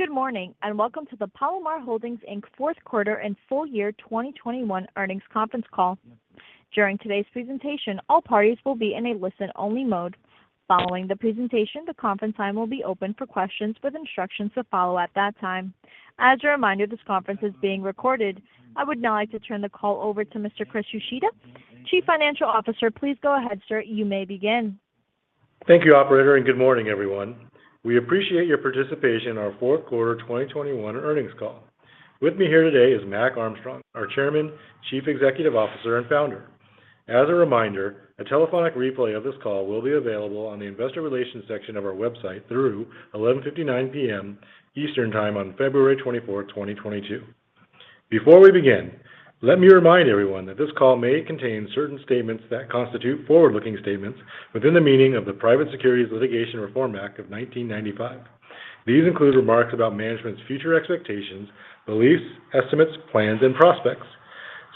Good morning, and welcome to the Palomar Holdings, Inc. fourth quarter and full year 2021 earnings conference call. During today's presentation, all parties will be in a listen-only mode. Following the presentation, the conference line will be open for questions with instructions to follow at that time. As a reminder, this conference is being recorded. I would now like to turn the call over to Mr. Chris Uchida, Chief Financial Officer. Please go ahead, sir. You may begin. Thank you, operator, and good morning, everyone. We appreciate your participation in our fourth quarter 2021 earnings call. With me here today is Mac Armstrong, our Chairman, Chief Executive Officer, and Founder. As a reminder, a telephonic replay of this call will be available on the investor relations section of our website through 11:59 P.M. Eastern Time on February 24th, 2022. Before we begin, let me remind everyone that this call may contain certain statements that constitute forward-looking statements within the meaning of the Private Securities Litigation Reform Act of 1995. These include remarks about management's future expectations, beliefs, estimates, plans, and prospects.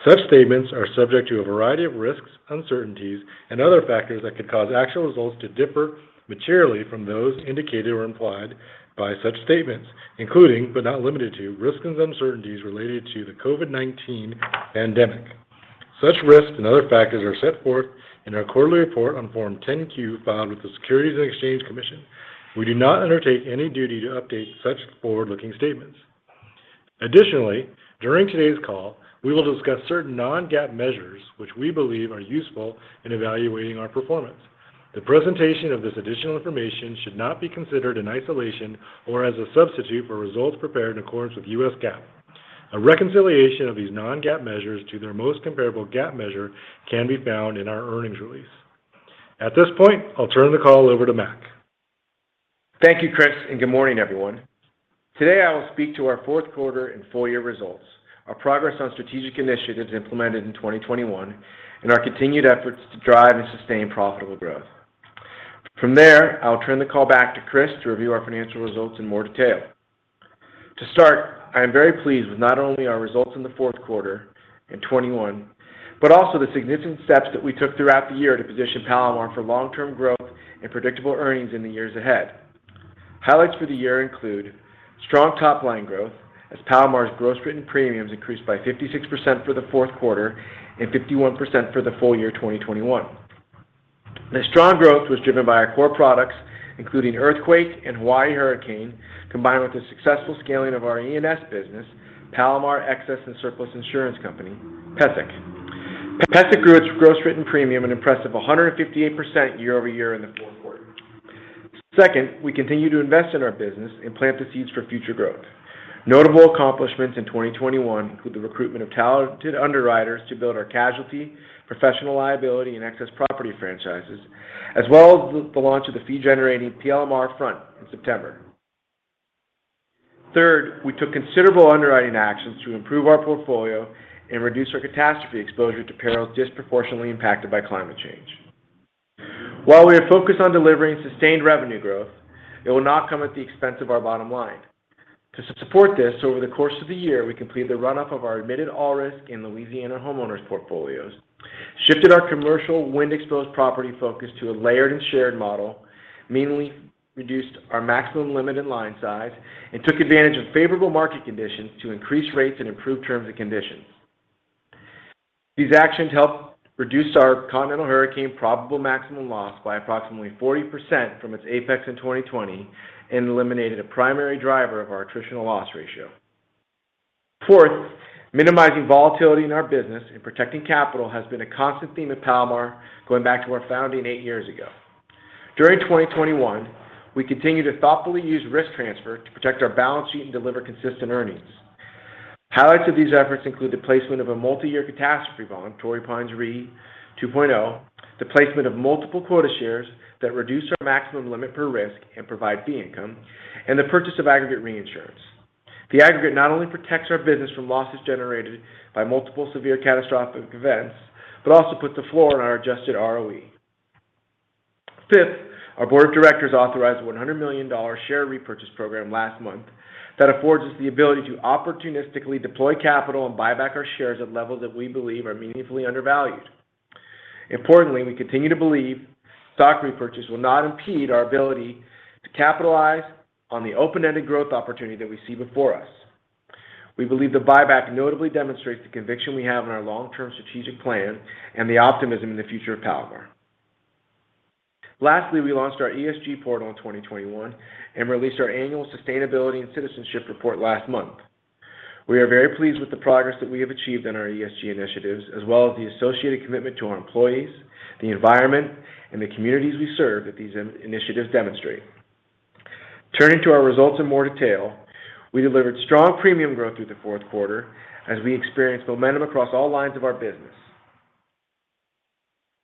Such statements are subject to a variety of risks, uncertainties, and other factors that could cause actual results to differ materially from those indicated or implied by such statements, including, but not limited to, risks and uncertainties related to the COVID-19 pandemic. Such risks and other factors are set forth in our quarterly report on Form 10-Q filed with the Securities and Exchange Commission. We do not undertake any duty to update such forward-looking statements. Additionally, during today's call, we will discuss certain non-GAAP measures which we believe are useful in evaluating our performance. The presentation of this additional information should not be considered in isolation or as a substitute for results prepared in accordance with U.S. GAAP. A reconciliation of these non-GAAP measures to their most comparable GAAP measure can be found in our earnings release. At this point, I'll turn the call over to Mac. Thank you, Chris, and good morning, everyone. Today, I will speak to our fourth quarter and full year results, our progress on strategic initiatives implemented in 2021, and our continued efforts to drive and sustain profitable growth. From there, I'll turn the call back to Chris to review our financial results in more detail. To start, I am very pleased with not only our results in the fourth quarter in 2021, but also the significant steps that we took throughout the year to position Palomar for long-term growth and predictable earnings in the years ahead. Highlights for the year include strong top-line growth as Palomar's gross written premiums increased by 56% for the fourth quarter and 51% for the full year 2021. This strong growth was driven by our core products, including earthquake and Hawaii hurricane, combined with the successful scaling of our E&S business, Palomar Excess and Surplus Insurance Company, PESIC. PESIC grew its gross written premium an impressive 158% year over year in the fourth quarter. Second, we continue to invest in our business and plant the seeds for future growth. Notable accomplishments in 2021 include the recruitment of talented underwriters to build our casualty, professional liability, and excess property franchises, as well as the launch of the fee-generating PLMR-FRONT in September. Third, we took considerable underwriting actions to improve our portfolio and reduce our catastrophe exposure to perils disproportionately impacted by climate change. While we are focused on delivering sustained revenue growth, it will not come at the expense of our bottom line. To support this, over the course of the year, we completed the runoff of our admitted all risk in Louisiana homeowners' portfolios, shifted our commercial wind-exposed property focus to a layered and shared model, meaningfully reduced our maximum limit and line size, and took advantage of favorable market conditions to increase rates and improve terms and conditions. These actions helped reduce our continental hurricane probable maximum loss by approximately 40% from its apex in 2020 and eliminated a primary driver of our attritional loss ratio. Fourth, minimizing volatility in our business and protecting capital has been a constant theme at Palomar going back to our founding eight years ago. During 2021, we continued to thoughtfully use risk transfer to protect our balance sheet and deliver consistent earnings. Highlights of these efforts include the placement of a multi-year catastrophe bond, Torrey Pines Re 2.0, the placement of multiple quota shares that reduce our maximum limit per risk and provide fee income, and the purchase of aggregate reinsurance. The aggregate not only protects our business from losses generated by multiple severe catastrophic events, but also puts a floor on our adjusted ROE. Fifth, our board of directors authorized a $100 million share repurchase program last month that affords us the ability to opportunistically deploy capital and buy back our shares at levels that we believe are meaningfully undervalued. Importantly, we continue to believe stock repurchase will not impede our ability to capitalize on the open-ended growth opportunity that we see before us. We believe the buyback notably demonstrates the conviction we have in our long-term strategic plan and the optimism in the future of Palomar. Lastly, we launched our ESG portal in 2021 and released our annual sustainability and citizenship report last month. We are very pleased with the progress that we have achieved in our ESG initiatives as well as the associated commitment to our employees, the environment, and the communities we serve that these initiatives demonstrate. Turning to our results in more detail, we delivered strong premium growth through the fourth quarter as we experienced momentum across all lines of our business.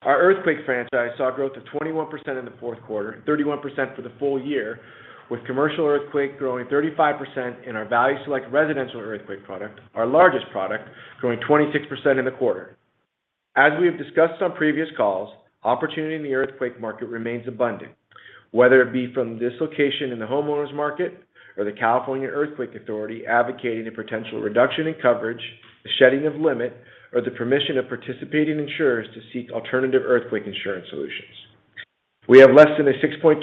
Our earthquake franchise saw growth of 21% in the fourth quarter and 31% for the full year, with commercial earthquake growing 35% and our Value Select residential earthquake product, our largest product, growing 26% in the quarter. As we have discussed on previous calls, opportunity in the earthquake market remains abundant, whether it be from dislocation in the homeowners market or the California Earthquake Authority advocating a potential reduction in coverage, the shedding of limit, or the permission of participating insurers to seek alternative earthquake insurance solutions. We have less than a 6.2%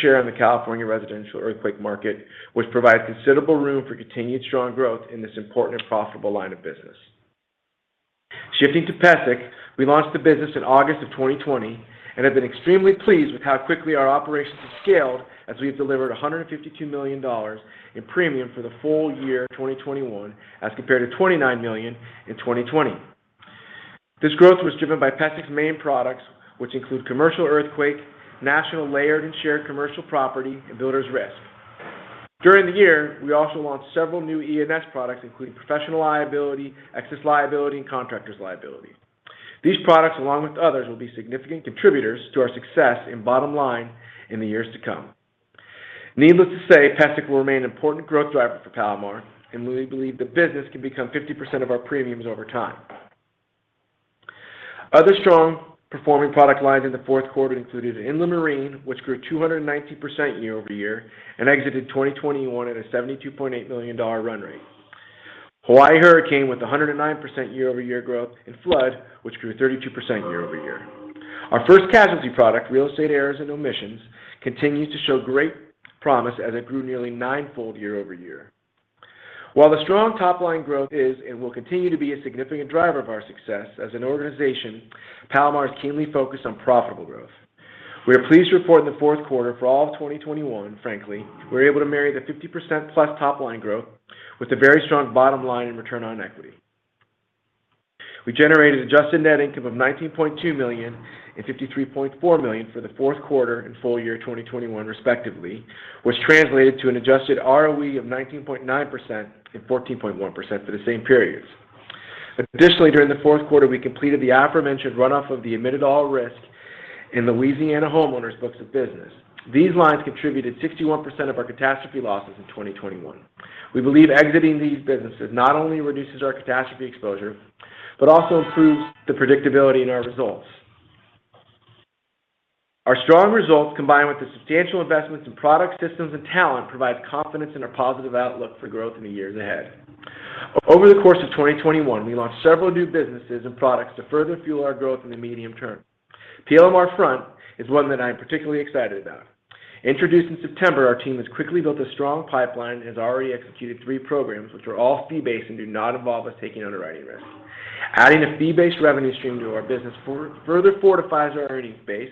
share on the California residential earthquake market, which provides considerable room for continued strong growth in this important and profitable line of business. Shifting to PESIC, we launched the business in August of 2020 and have been extremely pleased with how quickly our operations have scaled as we have delivered $152 million in premium for the full year 2021 as compared to $29 million in 2020. This growth was driven by PESIC's main products, which include commercial earthquake, national layered and shared commercial property and builder's risk. During the year, we also launched several new E&S products, including professional liability, excess liability, and contractor's liability. These products, along with others, will be significant contributors to our success and bottom line in the years to come. Needless to say, PESIC will remain an important growth driver for Palomar, and we believe the business can become 50% of our premiums over time. Other strong performing product lines in the fourth quarter included Inland Marine, which grew 290% YoY and exited 2021 at a $72.8 million run rate. Hawaii hurricane with 109% YoY growth and flood, which grew 32% YoY. Our first casualty product, real estate errors and omissions, continues to show great promise as it grew nearly nine-fold YoY. While the strong top-line growth is and will continue to be a significant driver of our success as an organization, Palomar is keenly focused on profitable growth. We are pleased to report in the fourth quarter for all of 2021, frankly, we're able to marry the 50%+ top-line growth with a very strong bottom line in return on equity. We generated adjusted net income of $19.2 million and $53.4 million for the fourth quarter and full year 2021 respectively, which translated to an adjusted ROE of 19.9% and 14.1% for the same periods. Additionally, during the fourth quarter, we completed the aforementioned runoff of the admitted all-risk in Louisiana homeowners books of business. These lines contributed 61% of our catastrophe losses in 2021. We believe exiting these businesses not only reduces our catastrophe exposure, but also improves the predictability in our results. Our strong results, combined with the substantial investments in product systems and talent, provide confidence in our positive outlook for growth in the years ahead. Over the course of 2021, we launched several new businesses and products to further fuel our growth in the medium term. PLMR-FRONT is one that I am particularly excited about. Introduced in September, our team has quickly built a strong pipeline and has already executed three programs which are all fee-based and do not involve us taking underwriting risk. Adding a fee-based revenue stream to our business further fortifies our earnings base,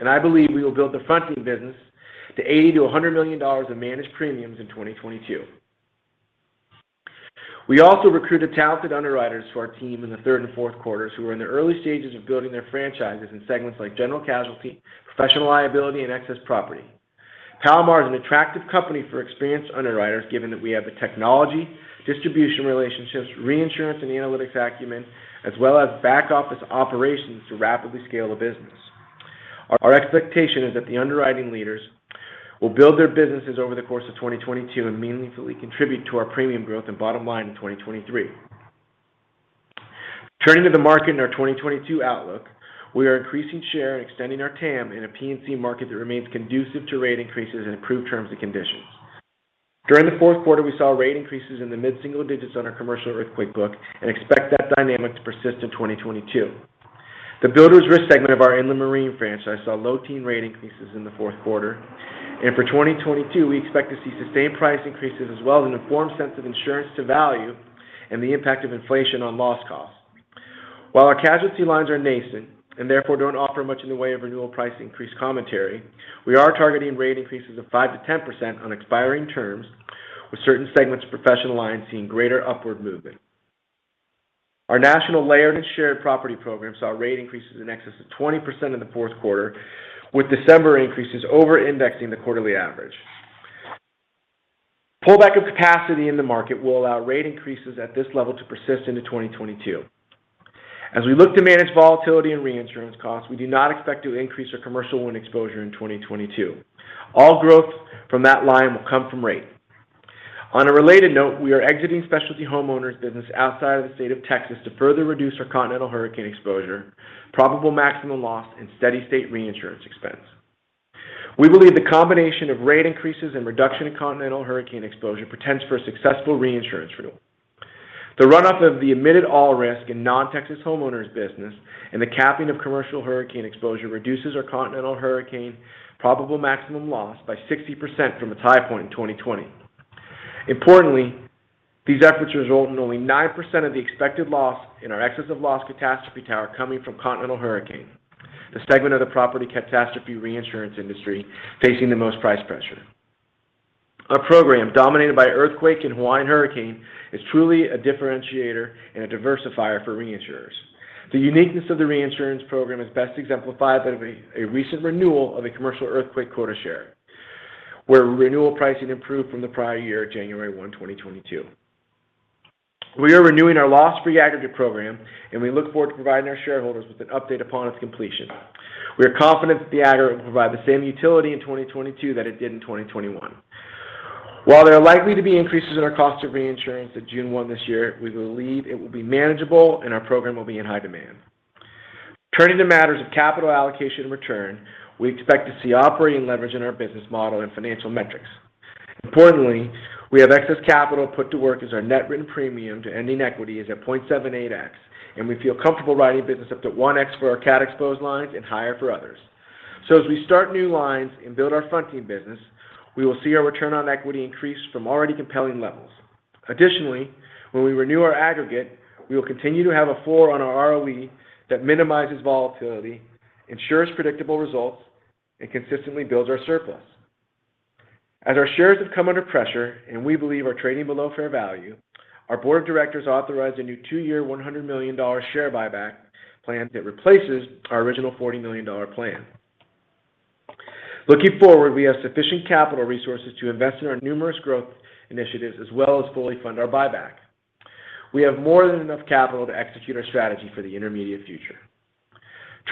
and I believe we will build the fronting business to $80 million-$100 million in managed premiums in 2022. We also recruited talented underwriters to our team in the third and fourth quarters who are in the early stages of building their franchises in segments like general casualty, professional liability, and excess property. Palomar is an attractive company for experienced underwriters given that we have the technology, distribution relationships, reinsurance, and analytics acumen, as well as back office operations to rapidly scale the business. Our expectation is that the underwriting leaders will build their businesses over the course of 2022 and meaningfully contribute to our premium growth and bottom line in 2023. Turning to the market and our 2022 outlook, we are increasing share and extending our TAM in a P&C market that remains conducive to rate increases and improved terms and conditions. During the fourth quarter, we saw rate increases in the mid-single digits on our commercial earthquake book and expect that dynamic to persist in 2022. The builders risk segment of our Inland Marine franchise saw low teens rate increases in the fourth quarter. For 2022, we expect to see sustained price increases as well as an informed sense of insurance to value and the impact of inflation on loss costs. While our casualty lines are nascent and therefore don't offer much in the way of renewal price increase commentary, we are targeting rate increases of 5%-10% on expiring terms with certain segments of professional lines seeing greater upward movement. Our national layered and shared property program saw rate increases in excess of 20% in the fourth quarter, with December increases over-indexing the quarterly average. Pullback of capacity in the market will allow rate increases at this level to persist into 2022. As we look to manage volatility and reinsurance costs, we do not expect to increase our commercial wind exposure in 2022. All growth from that line will come from rate. On a related note, we are exiting specialty homeowners business outside of the state of Texas to further reduce our continental hurricane exposure, probable maximum loss, and steady state reinsurance expense. We believe the combination of rate increases and reduction in continental hurricane exposure portends for a successful reinsurance renewal. The runoff of the admitted all risk in non-Texas homeowners business and the capping of commercial hurricane exposure reduces our continental hurricane probable maximum loss by 60% from its high point in 2020. Importantly, these efforts result in only 9% of the expected loss in our excess of loss catastrophe tower coming from continental hurricane, the segment of the property catastrophe reinsurance industry facing the most price pressure. Our program, dominated by earthquake and Hawaiian hurricane, is truly a differentiator and a diversifier for reinsurers. The uniqueness of the reinsurance program is best exemplified by a recent renewal of a commercial earthquake quota share, where renewal pricing improved from the prior year, January 1, 2022. We are renewing our loss ratio aggregate program, and we look forward to providing our shareholders with an update upon its completion. We are confident that the aggregate will provide the same utility in 2022 that it did in 2021. While there are likely to be increases in our cost of reinsurance at June 1 this year, we believe it will be manageable and our program will be in high demand. Turning to matters of capital allocation and return, we expect to see operating leverage in our business model and financial metrics. Importantly, we have excess capital put to work as our net written premium to ending equity is at 0.78x, and we feel comfortable writing business up to 1x for our CAT exposed lines and higher for others. As we start new lines and build our fronting business, we will see our return on equity increase from already compelling levels. Additionally, when we renew our aggregate, we will continue to have a floor on our ROE that minimizes volatility, ensures predictable results, and consistently builds our surplus. As our shares have come under pressure and we believe are trading below fair value, our board of directors authorized a new two-year, $100 million share buyback plan that replaces our original $40 million plan. Looking forward, we have sufficient capital resources to invest in our numerous growth initiatives as well as fully fund our buyback. We have more than enough capital to execute our strategy for the intermediate future.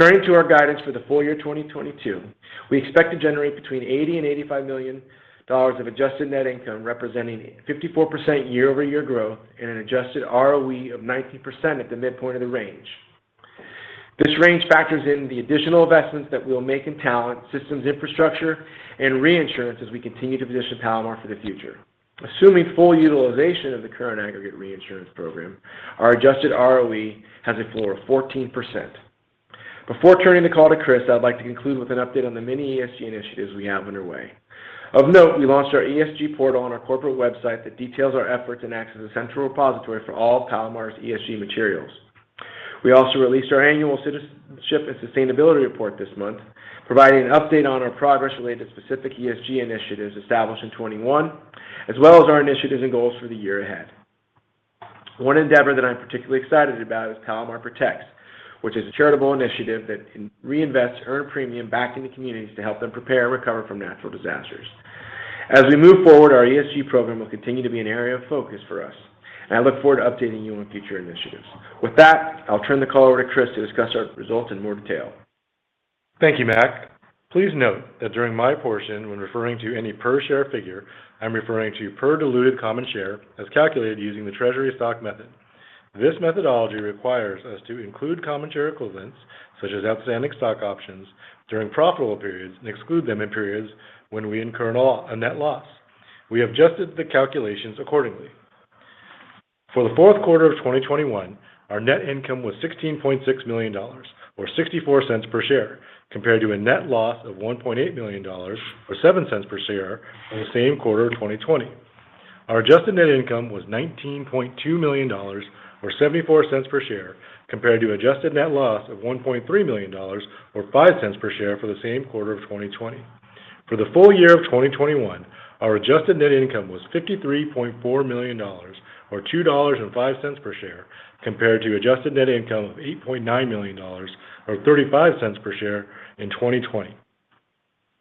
Turning to our guidance for the full year 2022, we expect to generate between $80 million and $85 million of adjusted net income, representing 54% YoY growth and an adjusted ROE of 90% at the midpoint of the range. This range factors in the additional investments that we'll make in talent, systems infrastructure, and reinsurance as we continue to position Palomar for the future. Assuming full utilization of the current aggregate reinsurance program, our adjusted ROE has a floor of 14%. Before turning the call to Chris, I'd like to conclude with an update on the many ESG initiatives we have underway. Of note, we launched our ESG portal on our corporate website that details our efforts and acts as a central repository for all of Palomar's ESG materials. We also released our annual citizenship and sustainability report this month, providing an update on our progress related to specific ESG initiatives established in 2021, as well as our initiatives and goals for the year ahead. One endeavor that I'm particularly excited about is Palomar Protects, which is a charitable initiative that reinvests earned premium back into communities to help them prepare and recover from natural disasters. As we move forward, our ESG program will continue to be an area of focus for us, and I look forward to updating you on future initiatives. With that, I'll turn the call over to Chris to discuss our results in more detail. Thank you, Mac. Please note that during my portion, when referring to any per share figure, I'm referring to per diluted common share as calculated using the treasury stock method. This methodology requires us to include common share equivalents, such as outstanding stock options, during profitable periods and exclude them in periods when we incur a net loss. We adjusted the calculations accordingly. For the fourth quarter of 2021, our net income was $16.6 million or $0.64 per share, compared to a net loss of $1.8 million or $0.07 per share in the same quarter of 2020. Our adjusted net income was $19.2 million or $0.74 per share, compared to adjusted net loss of $1.3 million or $0.05 per share for the same quarter of 2020. For the full year of 2021, our adjusted net income was $53.4 million or $2.05 per share, compared to adjusted net income of $8.9 million or $0.35 per share in 2020.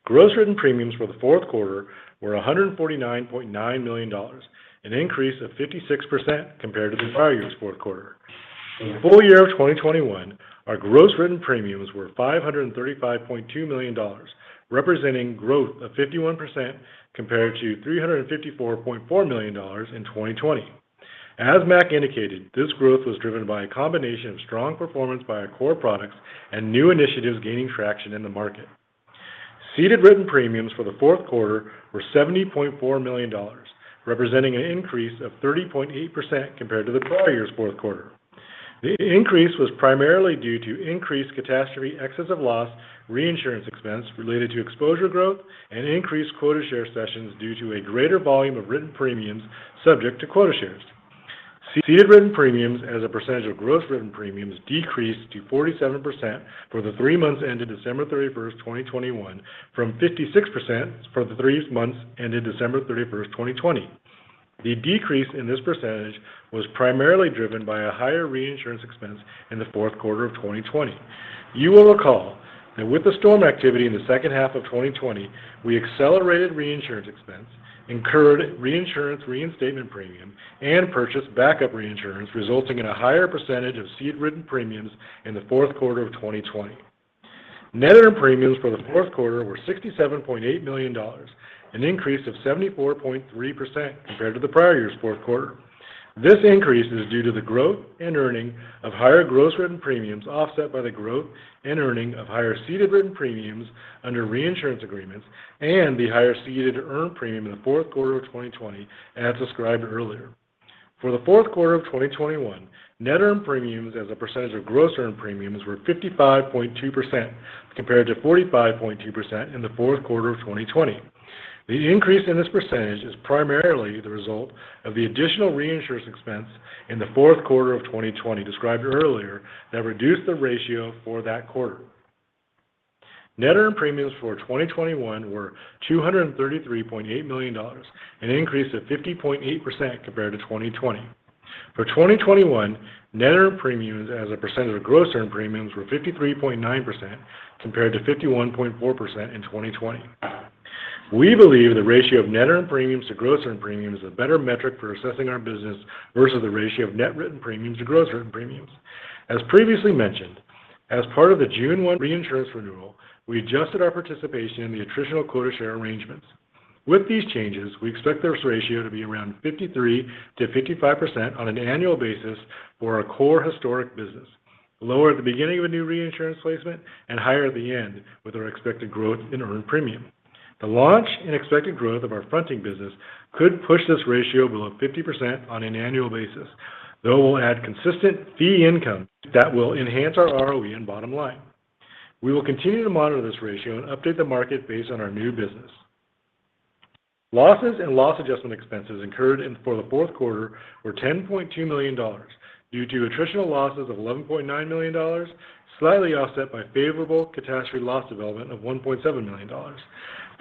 Gross written premiums for the fourth quarter were $149.9 million, an increase of 56% compared to the prior year's fourth quarter. In the full year of 2021, our gross written premiums were $535.2 million, representing growth of 51% compared to $354.4 million in 2020. As Mac indicated, this growth was driven by a combination of strong performance by our core products and new initiatives gaining traction in the market. Ceded written premiums for the fourth quarter were $70.4 million, representing an increase of 30.8% compared to the prior year's fourth quarter. The increase was primarily due to increased catastrophe excess of loss, reinsurance expense related to exposure growth, and increased quota share cessions due to a greater volume of written premiums subject to quota shares. Ceded written premiums as a percentage of gross written premiums decreased to 47% for the three months ended December 31st, 2021, from 56% for the three months ended December 31st, 2020. The decrease in this percentage was primarily driven by a higher reinsurance expense in the fourth quarter of 2020. You will recall that with the storm activity in the second half of 2020, we accelerated reinsurance expense, incurred reinsurance reinstatement premium, and purchased backup reinsurance, resulting in a higher percentage of ceded written premiums in the fourth quarter of 2020. Net earned premiums for the fourth quarter were $67.8 million, an increase of 74.3% compared to the prior year's fourth quarter. This increase is due to the growth and earning of higher gross written premiums, offset by the growth and earning of higher ceded written premiums under reinsurance agreements and the higher ceded earned premium in the fourth quarter of 2020 as described earlier. For the fourth quarter of 2021, net earned premiums as a percentage of gross earned premiums were 55.2% compared to 45.2% in the fourth quarter of 2020. The increase in this percentage is primarily the result of the additional reinsurance expense in the fourth quarter of 2020 described earlier that reduced the ratio for that quarter. Net earned premiums for 2021 were $233.8 million, an increase of 50.8% compared to 2020. For 2021, net earned premiums as a percentage of gross earned premiums were 53.9% compared to 51.4% in 2020. We believe the ratio of net earned premiums to gross earned premiums is a better metric for assessing our business versus the ratio of net written premiums to gross written premiums. As previously mentioned, as part of the June 1 reinsurance renewal, we adjusted our participation in the attritional quota share arrangements. With these changes, we expect this ratio to be around 53%-55% on an annual basis for our core historic business, lower at the beginning of a new reinsurance placement and higher at the end with our expected growth in earned premium. The launch and expected growth of our fronting business could push this ratio below 50% on an annual basis, though we'll add consistent fee income that will enhance our ROE and bottom line. We will continue to monitor this ratio and update the market based on our new business. Losses and loss adjustment expenses incurred for the fourth quarter were $10.2 million due to attritional losses of $11.9 million, slightly offset by favorable catastrophe loss development of $1.7 million.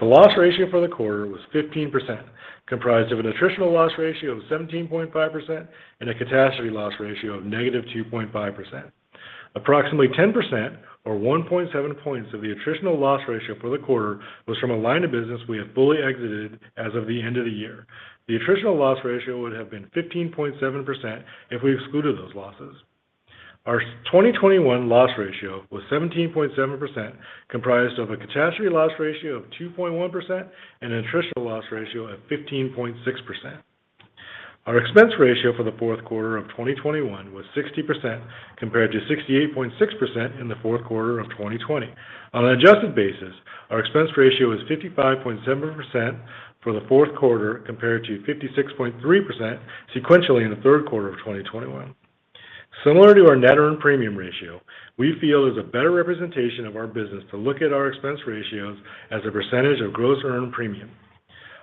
The loss ratio for the quarter was 15%, comprised of an attritional loss ratio of 17.5% and a catastrophe loss ratio of -2.5%. Approximately 10% or 1.7 points of the attritional loss ratio for the quarter was from a line of business we have fully exited as of the end of the year. The attritional loss ratio would have been 15.7% if we excluded those losses. Our 2021 loss ratio was 17.7%, comprised of a catastrophe loss ratio of 2.1% and an attritional loss ratio of 15.6%. Our expense ratio for the fourth quarter of 2021 was 60% compared to 68.6% in the fourth quarter of 2020. On an adjusted basis, our expense ratio was 55.7% for the fourth quarter compared to 56.3% sequentially in the third quarter of 2021. Similar to our net earned premium ratio, we feel there's a better representation of our business to look at our expense ratios as a percentage of gross earned premium.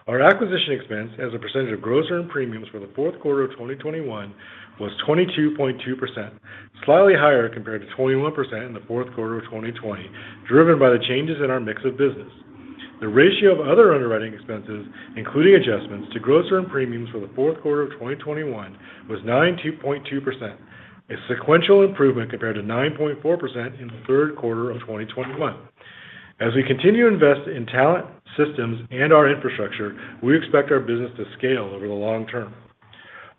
Our acquisition expense as a percentage of gross earned premiums for the fourth quarter of 2021 was 22.2%, slightly higher compared to 21% in the fourth quarter of 2020, driven by the changes in our mix of business. The ratio of other underwriting expenses, including adjustments to gross earned premiums for the fourth quarter of 2021 was 9.2%, a sequential improvement compared to 9.4% in the third quarter of 2021. As we continue to invest in talent, systems, and our infrastructure, we expect our business to scale over the long term.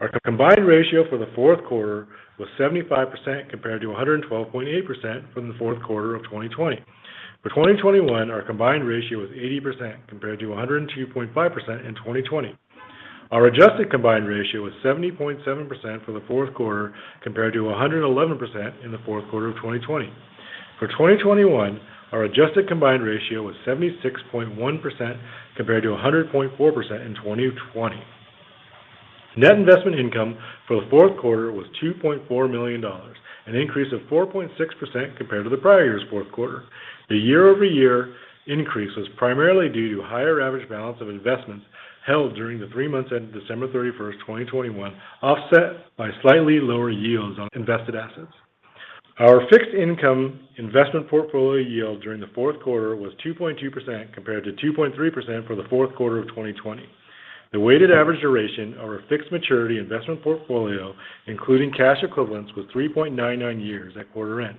Our combined ratio for the fourth quarter was 75% compared to 112.8% from the fourth quarter of 2020. For 2021, our combined ratio was 80% compared to 102.5% in 2020. Our adjusted combined ratio was 70.7% for the fourth quarter compared to 111% in the fourth quarter of 2020. For 2021, our adjusted combined ratio was 76.1% compared to 100.4% in 2020. Net investment income for the fourth quarter was $2.4 million, an increase of 4.6% compared to the prior year's fourth quarter. The YoY increase was primarily due to higher average balance of investments held during the three months ended December 31st, 2021, offset by slightly lower yields on invested assets. Our fixed income investment portfolio yield during the fourth quarter was 2.2% compared to 2.3% for the fourth quarter of 2020. The weighted average duration of our fixed maturity investment portfolio, including cash equivalents, was 3.99 years at quarter end.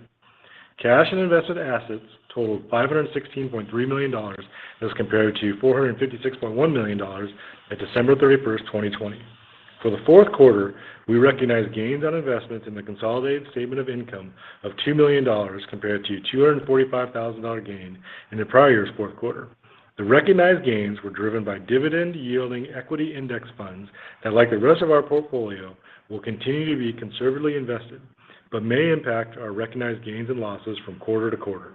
Cash and invested assets totaled $516.3 million as compared to $456.1 million at December 31st, 2020. For the fourth quarter, we recognized gains on investments in the consolidated statement of income of $2 million compared to a $245,000 gain in the prior year's fourth quarter. The recognized gains were driven by dividend yielding equity index funds that like the rest of our portfolio will continue to be conservatively invested, but may impact our recognized gains and losses from quarter to quarter.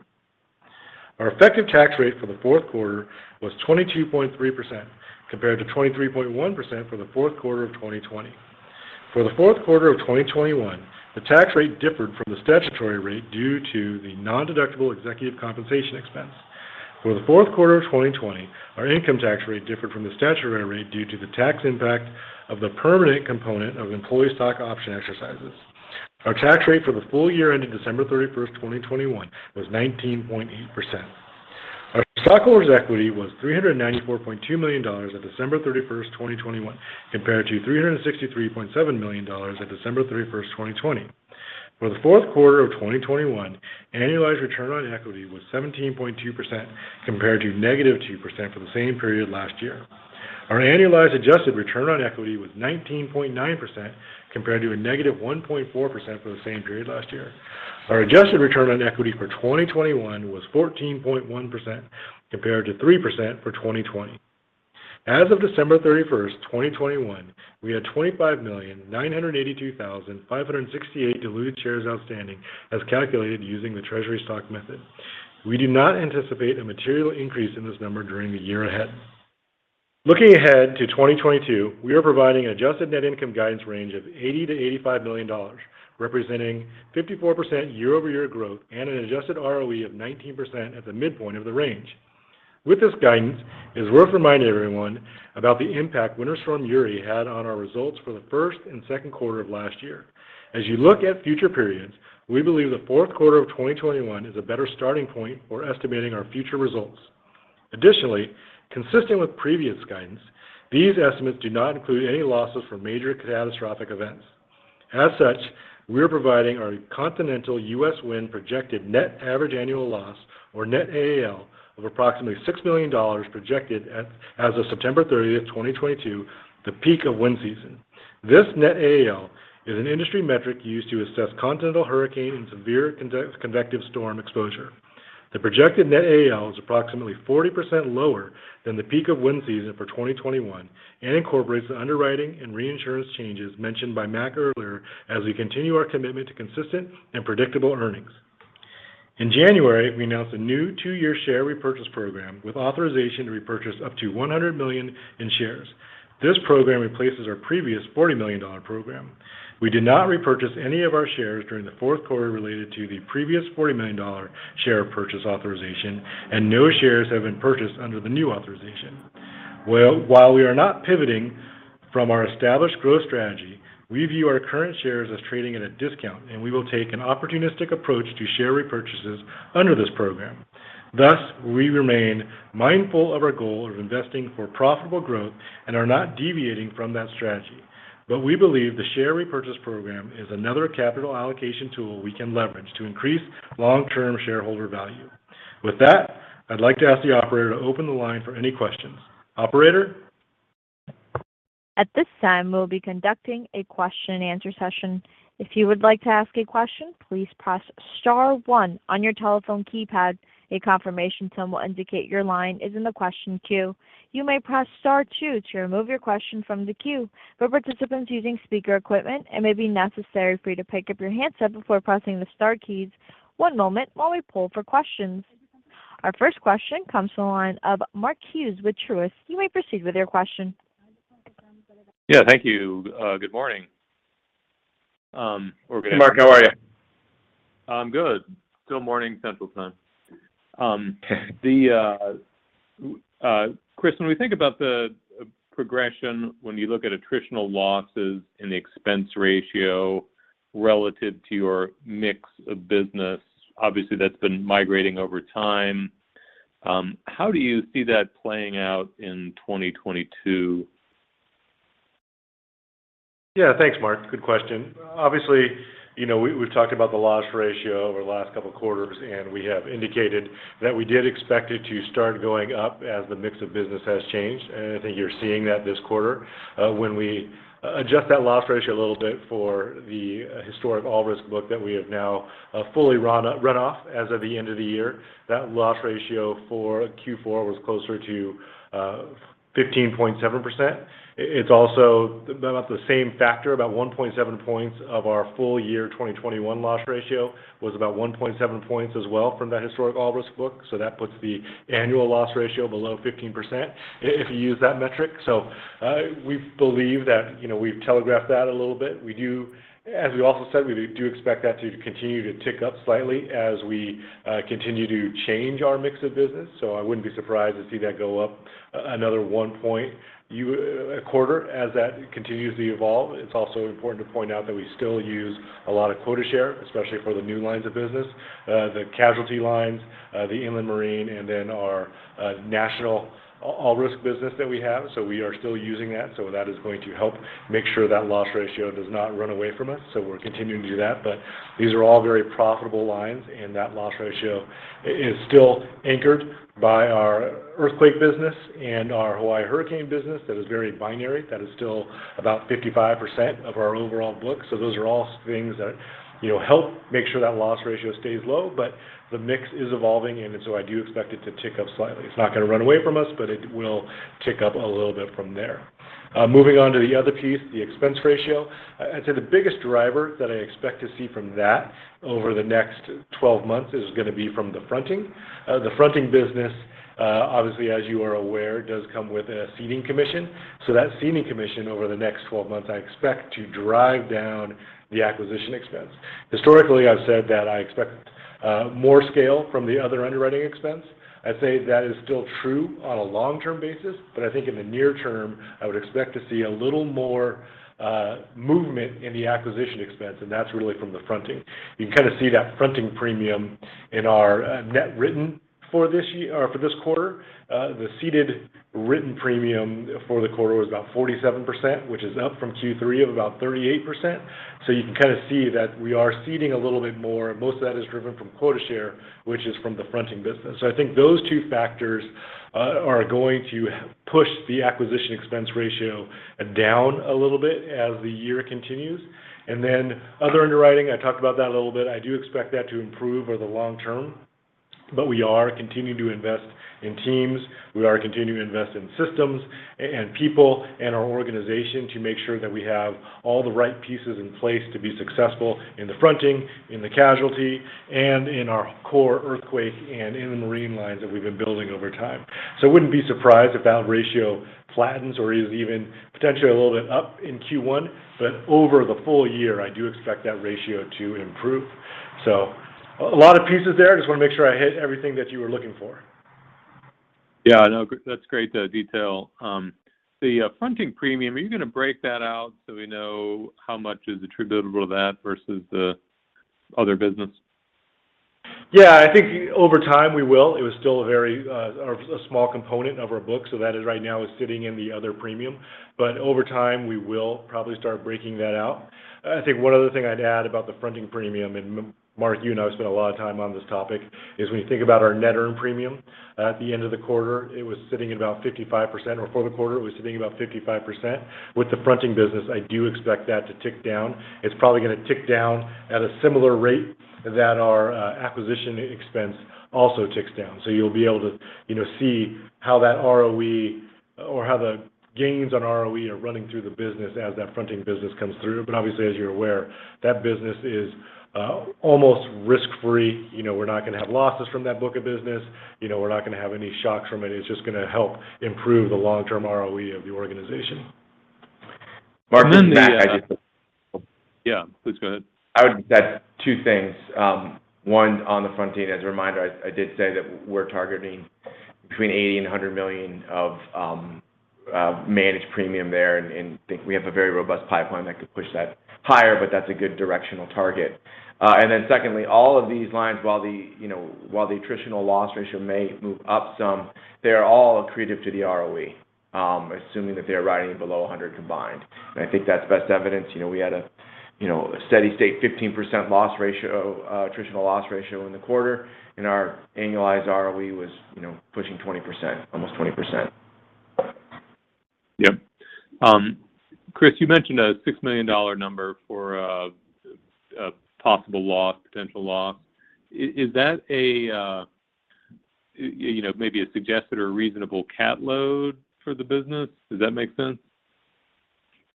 Our effective tax rate for the fourth quarter was 22.3% compared to 23.1% for the fourth quarter of 2020. For the fourth quarter of 2021, the tax rate differed from the statutory rate due to the non-deductible executive compensation expense. For the fourth quarter of 2020, our income tax rate differed from the statutory rate due to the tax impact of the permanent component of employee stock option exercises. Our tax rate for the full year ending December 31st, 2021 was 19.8%. Our stockholders' equity was $394.2 million at December 31st, 2021 compared to $363.7 million at December 31st, 2020. For the fourth quarter of 2021, annualized return on equity was 17.2% compared to -2% for the same period last year. Our annualized adjusted return on equity was 19.9% compared to -1.4% for the same period last year. Our adjusted return on equity for 2021 was 14.1% compared to 3% for 2020. As of December 31st, 2021, we had 25,982,568 diluted shares outstanding as calculated using the treasury stock method. We do not anticipate a material increase in this number during the year ahead. Looking ahead to 2022, we are providing adjusted net income guidance range of $80 million-$85 million, representing 54% YoY growth and an adjusted ROE of 19% at the midpoint of the range. With this guidance, it is worth reminding everyone about the impact Winter Storm Uri had on our results for the first and second quarter of last year. As you look at future periods, we believe the fourth quarter of 2021 is a better starting point for estimating our future results. Additionally, consistent with previous guidance, these estimates do not include any losses from major catastrophic events. As such, we are providing our continental U.S. wind projected net average annual loss, or net AAL, of approximately $6 million projected as of September 30th, 2022, the peak of wind season. This net AAL is an industry metric used to assess continental hurricane and severe convective storm exposure. The projected net AAL is approximately 40% lower than the peak of wind season for 2021 and incorporates the underwriting and reinsurance changes mentioned by Mac earlier as we continue our commitment to consistent and predictable earnings. In January, we announced a new two-year share repurchase program with authorization to repurchase up to $100 million in shares. This program replaces our previous $40 million program. We did not repurchase any of our shares during the fourth quarter related to the previous $40 million share purchase authorization, and no shares have been purchased under the new authorization. While we are not pivoting from our established growth strategy, we view our current shares as trading at a discount, and we will take an opportunistic approach to share repurchases under this program. Thus, we remain mindful of our goal of investing for profitable growth and are not deviating from that strategy. We believe the share repurchase program is another capital allocation tool we can leverage to increase long-term shareholder value. With that, I'd like to ask the operator to open the line for any questions. Operator? At this time, we'll be conducting a question-and-answer session. If you would like to ask a question please press star one on your telephone keypad a confirmation tell more indicate your line is in a question queue, you may press star too to remove your question from the queue. For the participant using speaker equipment and maybe necessary or pick up your hands before pressing star keys. One moment while we poll for questions. Our first question comes from the line of Mark Hughes with Truist. You may proceed with your question. Yeah, thank you. Good morning. Mark, how are you? I'm good. Still morning, Central Time. Chris, when we think about the progression, when you look at attritional losses in the expense ratio relative to your mix of business, obviously that's been migrating over time. How do you see that playing out in 2022? Yeah. Thanks, Mark. Good question. Obviously, we've talked about the loss ratio over the last couple of quarters, and we have indicated that we did expect it to start going up as the mix of business has changed. I think you're seeing that this quarter. When we adjust that loss ratio a little bit for the historic all risk book that we have now, fully run off as of the end of the year, that loss ratio for Q4 was closer to 15.7%. It's also about the same factor. About 1.7 points of our full year 2021 loss ratio was about 1.7 points as well from that historic all risk book. That puts the annual loss ratio below 15% if you use that metric. We believe that, you know, we've telegraphed that a little bit. As we also said, we do expect that to continue to tick up slightly as we continue to change our mix of business. I wouldn't be surprised to see that go up another 1 point quarter as that continues to evolve. It's also important to point out that we still use a lot of quota share, especially for the new lines of business, the casualty lines, the Inland Marine, and then our national all risk business that we have. We are still using that. That is going to help make sure that loss ratio does not run away from us. We're continuing to do that. These are all very profitable lines, and that loss ratio is still anchored by our earthquake business and our Hawaii hurricane business that is very binary. That is still about 55% of our overall book. Those are all things that, you know, help make sure that loss ratio stays low. The mix is evolving, and so I do expect it to tick up slightly. It's not going to run away from us, but it will tick up a little bit from there. Moving on to the other piece, the expense ratio. I'd say the biggest driver that I expect to see from that over the next 12 months is gonna be from the fronting. The fronting business, obviously, as you are aware, does come with a ceding commission. That ceding commission over the next 12 months, I expect to drive down the acquisition expense. Historically, I've said that I expect more scale from the other underwriting expense. I'd say that is still true on a long-term basis, but I think in the near term, I would expect to see a little more movement in the acquisition expense, and that's really from the fronting. You can kind of see that fronting premium in our net written for this year or for this quarter. The ceded written premium for the quarter was about 47%, which is up from Q3 of about 38%. You can kind of see that we are ceding a little bit more. Most of that is driven from quota share, which is from the fronting business. I think those two factors are going to push the acquisition expense ratio down a little bit as the year continues. Other underwriting, I talked about that a little bit. I do expect that to improve over the long term, but we are continuing to invest in teams. We are continuing to invest in systems and people and our organization to make sure that we have all the right pieces in place to be successful in the fronting, in the casualty, and in our core earthquake and inland marine lines that we've been building over time. I wouldn't be surprised if that ratio flattens or is even potentially a little bit up in Q1. Over the full year, I do expect that ratio to improve. A lot of pieces there. I just want to make sure I hit everything that you were looking for. Yeah. No, that's great, the detail. The fronting premium, are you gonna break that out so we know how much is attributable to that versus the other business? Yeah, I think over time we will. It was still a very small component of our book, so that right now is sitting in the other premium. Over time, we will probably start breaking that out. I think one other thing I'd add about the fronting premium, and Mark, you and I have spent a lot of time on this topic, is when you think about our net earned premium, at the end of the quarter, it was sitting at about 55%, or for the quarter it was sitting about 55%. With the fronting business, I do expect that to tick down. It's probably gonna tick down at a similar rate that our acquisition expense also ticks down. You'll be able to, you know, see how that ROE or how the gains on ROE are running through the business as that fronting business comes through. Obviously, as you're aware, that business is almost risk-free. You know, we're not gonna have losses from that book of business. You know, we're not gonna have any shocks from it. It's just gonna help improve the long-term ROE of the organization. Mark, this is Mac. I just- Yeah, please go ahead. I would add two things. One on the fronting. As a reminder, I did say that we're targeting between $80 million and $100 million of managed premium there, and think we have a very robust pipeline that could push that higher, but that's a good directional target. And then secondly, all of these lines, while the, you know, while the attritional loss ratio may move up some, they're all accretive to the ROE, assuming that they're riding below a 100 combined. I think that's best evidenced, you know, we had a, you know, a steady state 15% loss ratio, attritional loss ratio in the quarter, and our annualized ROE was, you know, pushing 20%, almost 20%. Yep. Chris, you mentioned a $6 million number for possible loss, potential loss. Is that a maybe a suggested or reasonable CAT load for the business? Does that make sense?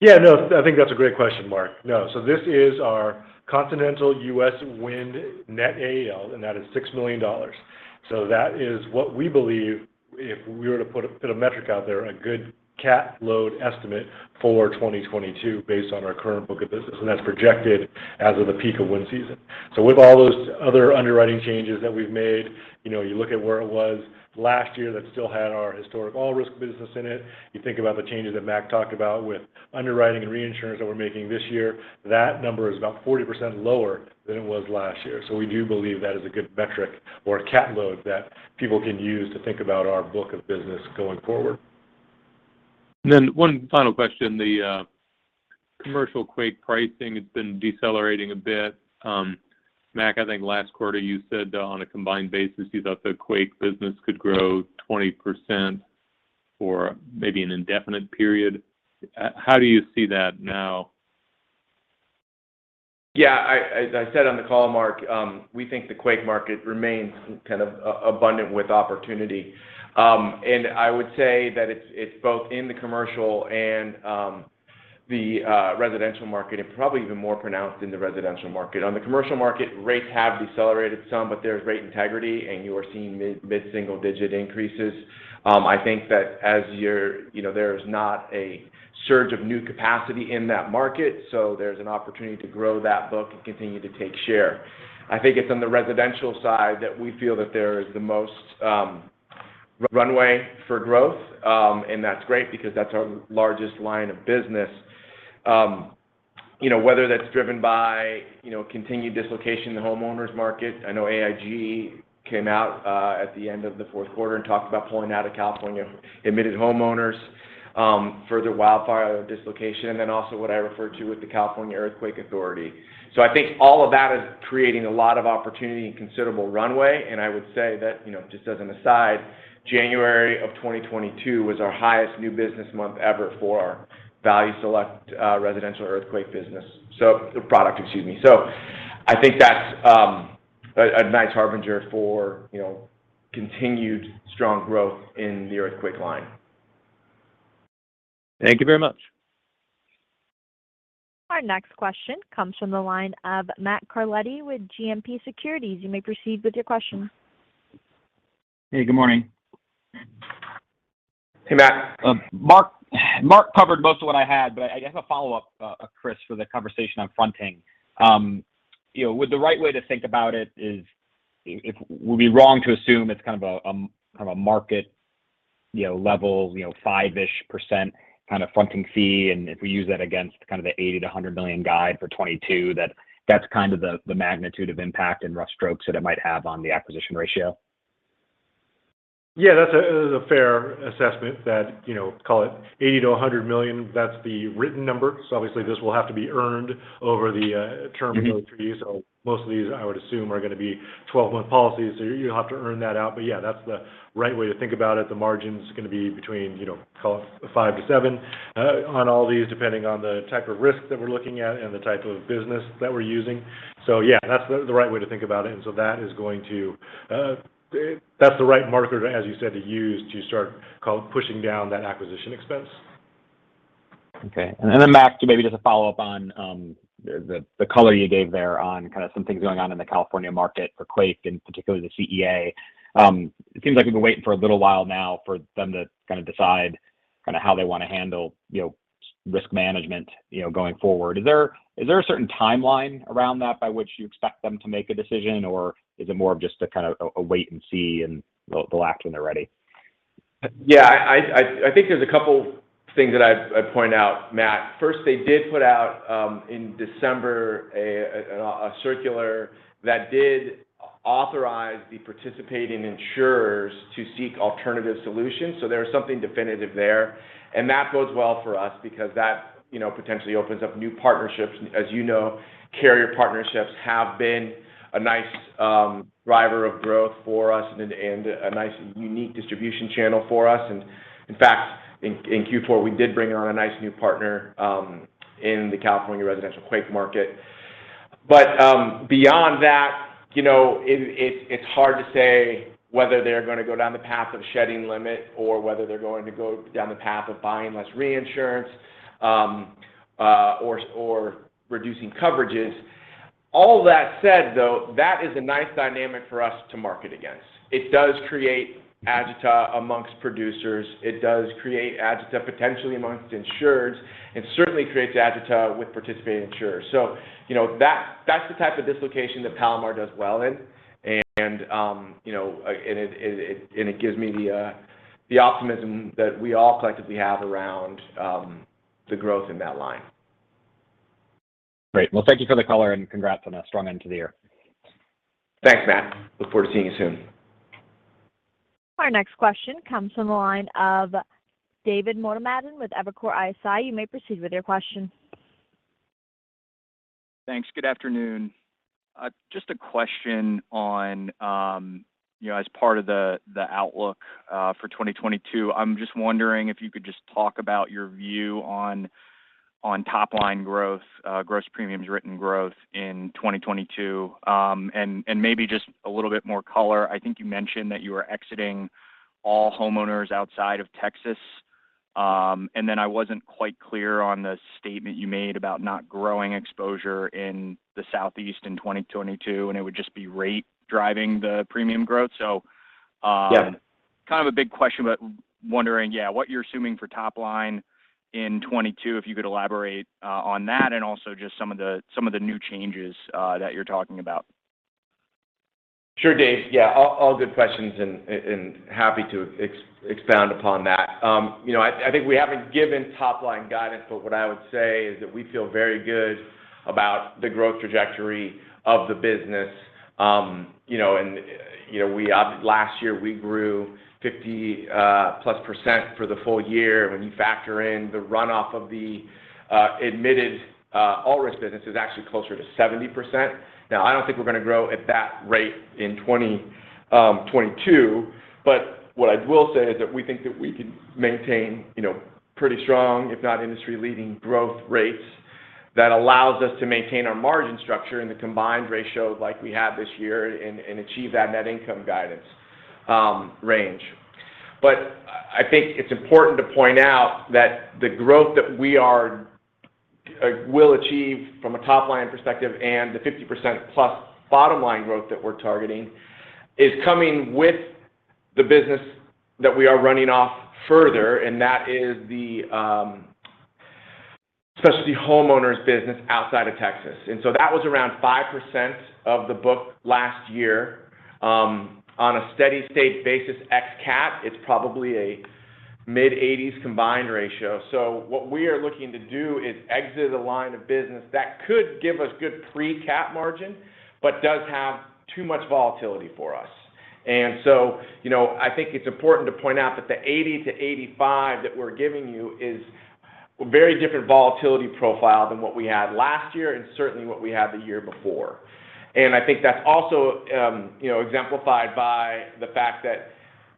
Yeah, no, I think that's a great question, Mark. No, this is our continental U.S. wind net AAL, and that is $6 million. That is what we believe if we were to put a metric out there, a good CAT load estimate for 2022 based on our current book of business, and that's projected as of the peak of wind season. With all those other underwriting changes that we've made, you know, you look at where it was last year that still had our historic all risk business in it, you think about the changes that Mac talked about with underwriting and reinsurance that we're making this year, that number is about 40% lower than it was last year. We do believe that is a good metric or a CAT load that people can use to think about our book of business going forward. One final question. The commercial quake pricing has been decelerating a bit. Mac, I think last quarter you said on a combined basis you thought the quake business could grow 20% for maybe an indefinite period. How do you see that now? Yeah. As I said on the call, Mark, we think the quake market remains kind of abundant with opportunity. I would say that it's both in the commercial and the residential market, and probably even more pronounced in the residential market. On the commercial market, rates have decelerated some, but there's rate integrity, and you are seeing mid-single digit increases. I think that you know, there's not a surge of new capacity in that market, so there's an opportunity to grow that book and continue to take share. I think it's on the residential side that we feel that there is the most runway for growth. That's great because that's our largest line of business. You know, whether that's driven by you know, continued dislocation in the homeowners market. I know AIG came out at the end of the fourth quarter and talked about pulling out of California admitted homeowners, further wildfire dislocation, and then also what I referred to with the California Earthquake Authority. I think all of that is creating a lot of opportunity and considerable runway, and I would say that, you know, just as an aside, January of 2022 was our highest new business month ever for our Value Select residential earthquake product. I think that's a nice harbinger for, you know, continued strong growth in the earthquake line. Thank you very much. Our next question comes from the line of Matt Carletti with JMP Securities. You may proceed with your question. Hey, good morning. Hey, Matt. Mac covered most of what I had, but I guess a follow-up, Chris, for the conversation on fronting. You know, would the right way to think about it would we be wrong to assume it's kind of a kind of a market you know level you know 5%-ish kind of fronting fee, and if we use that against kind of the $80 million-$100 million guide for 2022, that's kind of the magnitude of impact in rough strokes that it might have on the acquisition ratio? Yeah, that's a fair assessment that, you know, call it $80 million-$100 million, that's the written number. So obviously this will have to be earned over the term of those treaties. Mm-hmm. Most of these, I would assume, are gonna be 12-month policies, so you'll have to earn that out. Yeah, that's the right way to think about it. The margin's gonna be between, you know, call it 5%-7% on all these, depending on the type of risk that we're looking at and the type of business that we're using. Yeah, that's the right way to think about it. That is going to, that's the right marker, as you said to use, to start pushing down that acquisition expense. Okay. Matt, maybe just a follow-up on the color you gave there on kind of some things going on in the California market for quake and particularly the CEA. It seems like we've been waiting for a little while now for them to kind of decide kind of how they want to handle, you know, risk management, you know, going forward. Is there a certain timeline around that by which you expect them to make a decision, or is it more of just a kind of a wait and see and they'll act when they're ready? Yeah, I think there's a couple things that I'd point out, Matt. First, they did put out in December a circular that did authorize the participating insurers to seek alternative solutions. So there's something definitive there, and that bodes well for us because that, you know, potentially opens up new partnerships. As you know, carrier partnerships have been a nice driver of growth for us and a nice unique distribution channel for us. In fact, in Q4, we did bring on a nice new partner in the California residential quake market. But beyond that, you know, it's hard to say whether they're gonna go down the path of shedding limit or whether they're going to go down the path of buying less reinsurance or reducing coverages. All that said, though, that is a nice dynamic for us to market against. It does create agita amongst producers. It does create agita potentially amongst insureds, and certainly creates agita with participating insurers. You know, that's the type of dislocation that Palomar does well in. You know, it gives me the optimism that we all collectively have around the growth in that line. Great. Well, thank you for the color, and congrats on a strong end to the year. Thanks, Matt. I look forward to seeing you soon. Our next question comes from the line of David Motemaden with Evercore ISI. You may proceed with your question. Thanks. Good afternoon. Just a question on, you know, as part of the outlook for 2022. I'm just wondering if you could just talk about your view on top line growth, gross premiums written growth in 2022. Maybe just a little bit more color. I think you mentioned that you are exiting all homeowners outside of Texas. I wasn't quite clear on the statement you made about not growing exposure in the Southeast in 2022, and it would just be rate driving the premium growth. Yeah. Kind of a big question, but wondering, yeah, what you're assuming for top line in 2022, if you could elaborate on that, and also just some of the new changes that you're talking about. Sure, Dave. Yeah, all good questions and happy to expound upon that. You know, I think we haven't given top-line guidance, but what I would say is that we feel very good about the growth trajectory of the business. You know, you know, last year we grew 50+% for the full year. When you factor in the runoff of the admitted all risk business, it's actually closer to 70%. Now, I don't think we're going to grow at that rate in 2022, but what I will say is that we think that we can maintain you know, pretty strong, if not industry-leading growth rates that allows us to maintain our margin structure in the combined ratio like we have this year and achieve that net income guidance range. I think it's important to point out that the growth that we will achieve from a top-line perspective and the 50%+ bottom line growth that we're targeting is coming with the business that we are running off further, and that is the specialty homeowners' business outside of Texas. That was around 5% of the book last year. On a steady-state basis ex cat, it's probably a mid-80s% combined ratio. What we are looking to do is exit a line of business that could give us good pre-cat margin, but does have too much volatility for us. You know, I think it's important to point out that the 80%-85% that we're giving you is a very different volatility profile than what we had last year and certainly what we had the year before. I think that's also, you know, exemplified by the fact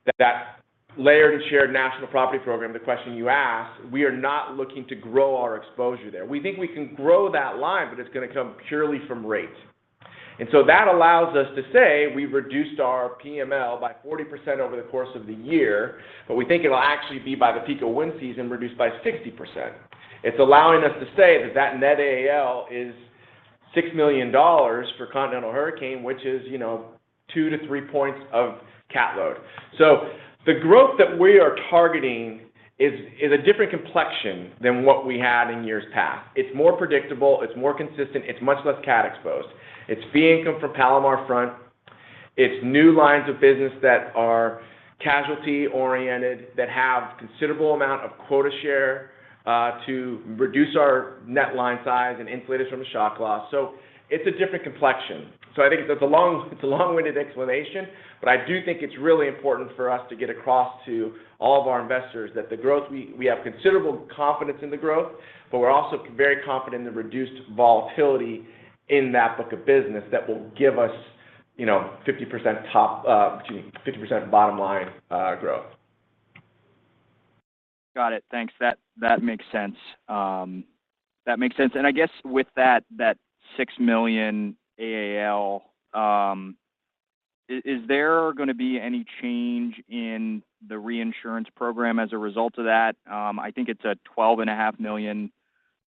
that layered and shared national property program, the question you asked, we are not looking to grow our exposure there. We think we can grow that line, but it's going to come purely from rates. That allows us to say we've reduced our PML by 40% over the course of the year, but we think it'll actually be by the peak of wind season reduced by 60%. It's allowing us to say that net AAL is $6 million for continental hurricane, which is, you know, 2-3 points of CAT load. The growth that we are targeting is a different complexion than what we had in years past. It's more predictable, it's more consistent, it's much less cat exposed. It's fee income from Palomar front. It's new lines of business that are casualty oriented, that have considerable amount of quota share to reduce our net line size and insulate us from a shock loss. It's a different complexion. I think that's a long-winded explanation, but I do think it's really important for us to get across to all of our investors that the growth we have considerable confidence in the growth, but we're also very confident in the reduced volatility in that book of business that will give us, you know, 50% bottom line growth. Got it. Thanks. That makes sense. I guess with that $6 million AAL, is there gonna be any change in the reinsurance program as a result of that? I think it's a $12.5 million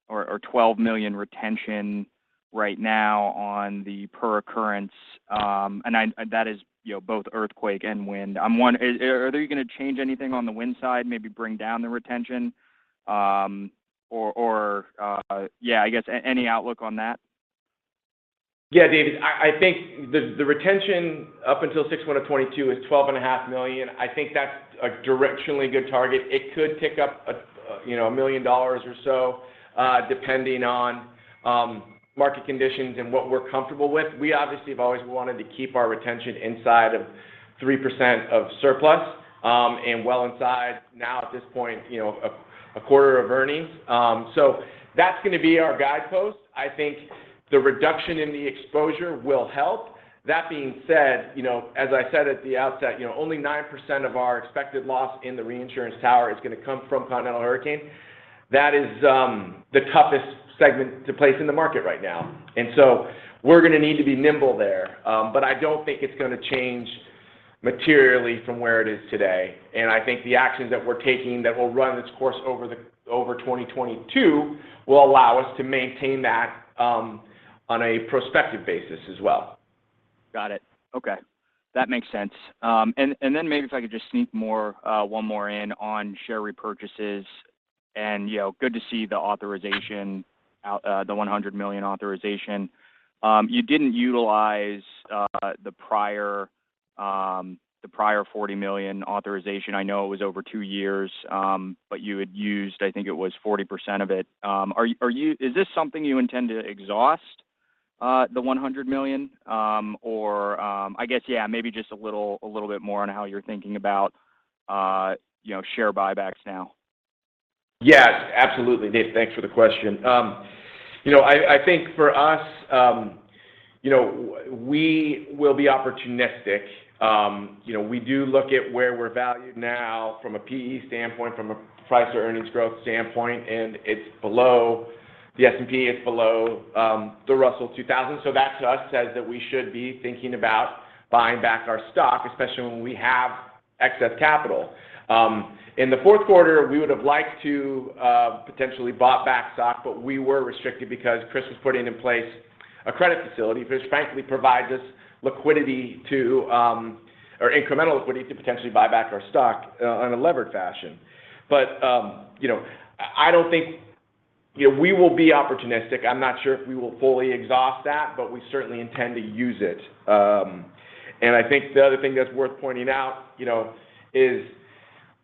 or $12 million retention right now on the per occurrence. That is, you know, both earthquake and wind. Are you going to change anything on the wind side, maybe bring down the retention? Or yeah, I guess any outlook on that? Yeah, David, I think the retention up until 6/1/2022 is $12.5 million. I think that's a directionally good target. It could tick up, you know, $1 million or so, depending on market conditions and what we're comfortable with. We obviously have always wanted to keep our retention inside of 3% of surplus, and well inside now at this point, you know, a quarter of earnings. So that's gonna be our guidepost. I think the reduction in the exposure will help. That being said, you know, as I said at the outset, you know, only 9% of our expected loss in the reinsurance tower is gonna come from Continental Hurricane. That is the toughest segment to place in the market right now. We're gonna need to be nimble there. I don't think it's gonna change materially from where it is today. I think the actions that we're taking that will run its course over 2022 will allow us to maintain that, on a prospective basis as well. Got it. Okay. That makes sense. Then maybe if I could just sneak one more in on share repurchases and, you know, good to see the authorization out, the $100 million authorization. You didn't utilize the prior $40 million authorization. I know it was over two years. You had used, I think it was 40% of it. Is this something you intend to exhaust the $100 million? Or, I guess, yeah, maybe just a little bit more on how you're thinking about, you know, share buybacks now. Yes, absolutely. Dave, thanks for the question. You know, I think for us, you know, we will be opportunistic. You know, we do look at where we're valued now from a PE standpoint, from a price to earnings growth standpoint, and it's below the S&P, it's below the Russell 2000. That to us says that we should be thinking about buying back our stock, especially when we have excess capital. In the fourth quarter, we would have liked to potentially bought back stock, but we were restricted because Chris was putting in place a credit facility, which frankly provides us liquidity or incremental liquidity to potentially buy back our stock on a levered fashion. You know, we will be opportunistic. I'm not sure if we will fully exhaust that, but we certainly intend to use it. I think the other thing that's worth pointing out, you know, is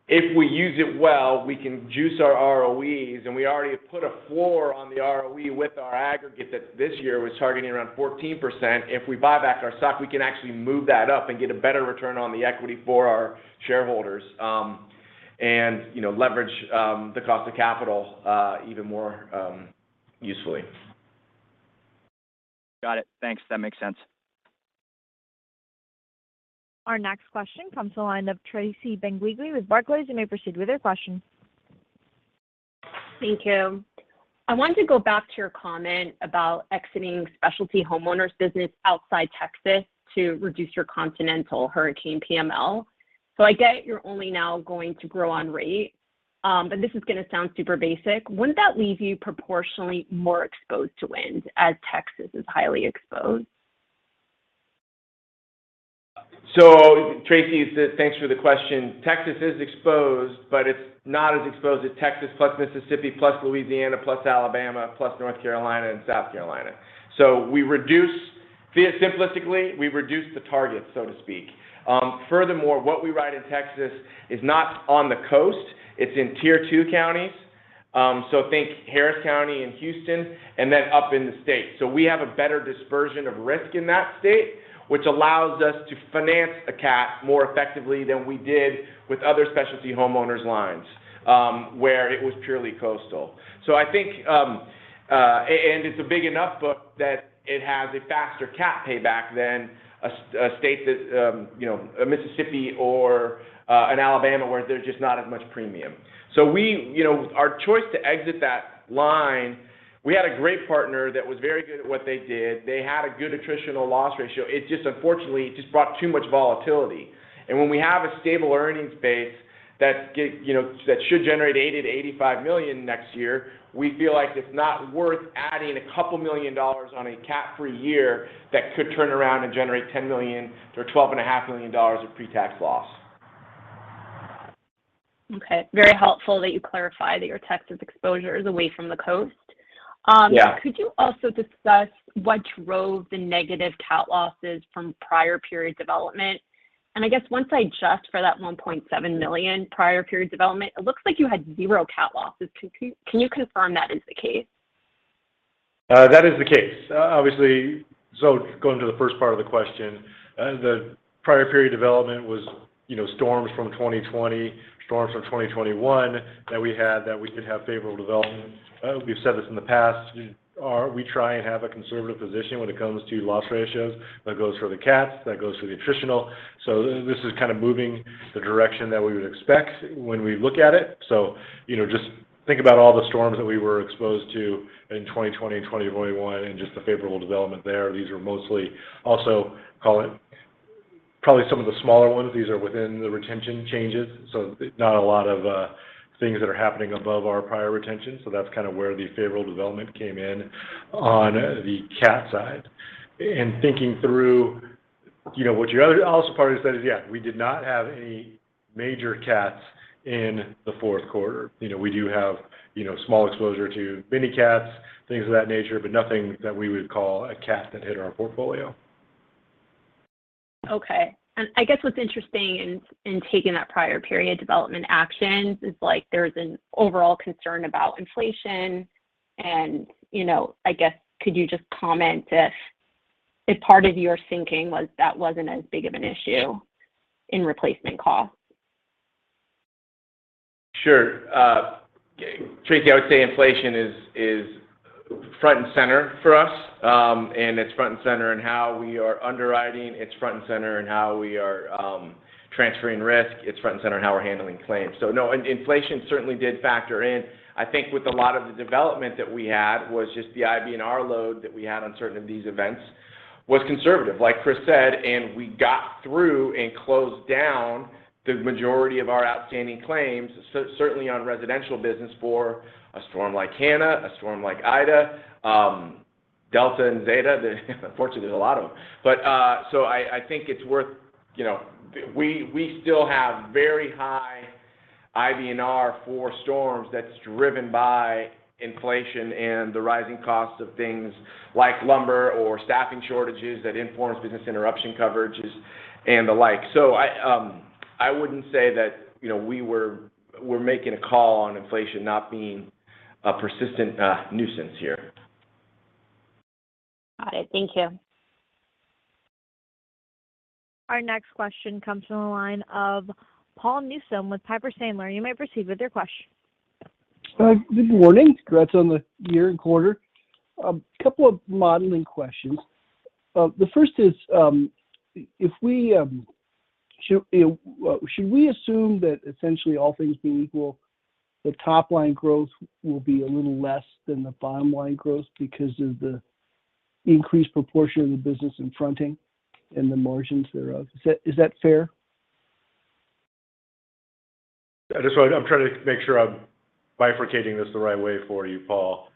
if we use it well, we can juice our ROEs, and we already put a floor on the ROE with our aggregate that this year was targeting around 14%. If we buy back our stock, we can actually move that up and get a better return on the equity for our shareholders, and, you know, leverage the cost of capital even more usefully. Got it. Thanks. That makes sense. Our next question comes to the line of Tracy Benguigui with Barclays. You may proceed with your question. Thank you. I wanted to go back to your comment about exiting specialty homeowners business outside Texas to reduce your continental hurricane PML. I get you're only now going to grow on rate, but this is going to sound super basic. Wouldn't that leave you proportionally more exposed to wind as Texas is highly exposed? Tracy, thanks for the question. Texas is exposed, but it's not as exposed as Texas plus Mississippi, plus Louisiana, plus Alabama, plus North Carolina, and South Carolina. We reduce vis-à-vis, simplistically, we reduce the target, so to speak. Furthermore, what we write in Texas is not on the coast, it's in tier two counties. Think Harris County in Houston and then up in the state. We have a better dispersion of risk in that state, which allows us to finance a cat more effectively than we did with other specialty homeowners lines, where it was purely coastal. I think, and it's a big enough book that it has a faster cat payback than a state that, you know, a Mississippi or an Alabama, where there's just not as much premium. We, you know, our choice to exit that line, we had a great partner that was very good at what they did. They had a good attritional loss ratio. It just unfortunately brought too much volatility. When we have a stable earnings base that you know, that should generate $80 million-$85 million next year, we feel like it's not worth adding a couple million dollars on a cat-free year that could turn around and generate $10 million-$12.5 million of pre-tax loss. Okay. Very helpful that you clarify that your Texas exposure is away from the coast. Yeah. Could you also discuss what drove the negative CAT losses from prior period development? I guess once I adjust for that $1.7 million prior period development, it looks like you had zero CAT losses. Can you confirm that is the case? That is the case. Obviously, going to the first part of the question, the prior period development was, you know, storms from 2020, storms from 2021 that we had, that we could have favorable development. We've said this in the past. We try and have a conservative position when it comes to loss ratios. That goes for the cats, that goes for the attritional. This is kind of moving the direction that we would expect when we look at it. You know, just think about all the storms that we were exposed to in 2020 and 2021, and just the favorable development there. These are mostly also call it probably some of the smaller ones. These are within the retention changes, so not a lot of things that are happening above our prior retention. That's kind of where the favorable development came in on the CAT side. Thinking through, you know, what the other analysts said is, yeah, we did not have any major CATs in the fourth quarter. You know, we do have, you know, small exposure to mini-cats, things of that nature, but nothing that we would call a CAT that hit our portfolio. Okay. I guess what's interesting in taking that prior period development actions is, like, there's an overall concern about inflation and, you know, I guess could you just comment if part of your thinking was that wasn't as big of an issue in replacement cost? Sure. Tracy Benguigui, I would say inflation is front and center for us. It's front and center in how we are underwriting. It's front and center in how we are transferring risk. It's front and center in how we're handling claims. No, inflation certainly did factor in. I think with a lot of the development that we had was just the IBNR load that we had on certain of these events was conservative, like Chris said, and we got through and closed down the majority of our outstanding claims certainly on residential business for a storm like Hanna, a storm like Ida, Delta and Zeta, unfortunately, there's a lot of them. I think it's worth, you know, we still have very high IBNR for storms that's driven by inflation and the rising costs of things like lumber or staffing shortages that informs business interruption coverages and the like. I wouldn't say that, you know, we're making a call on inflation not being a persistent nuisance here. Got it. Thank you. Our next question comes from the line of Paul Newsome with Piper Sandler. You may proceed with your question. Good morning. Congrats on the year and quarter. A couple of modeling questions. The first is, if we should assume that essentially all things being equal, the top line growth will be a little less than the bottom line growth because of the increased proportion of the business in fronting and the margins thereof? Is that fair? I'm trying to make sure I'm bifurcating this the right way for you, Paul.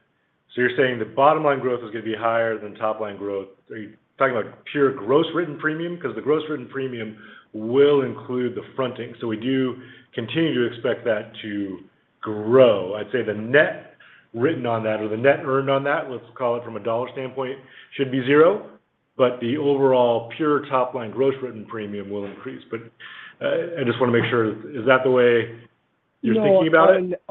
You're saying the bottom line growth is gonna be higher than top line growth. Are you talking about pure gross written premium? The gross written premium will include the fronting. We do continue to expect that to grow. I'd say the net written on that or the net earned on that, let's call it from a dollar standpoint, should be zero. The overall pure top line gross written premium will increase. I just wanna make sure. Is that the way you're thinking about it?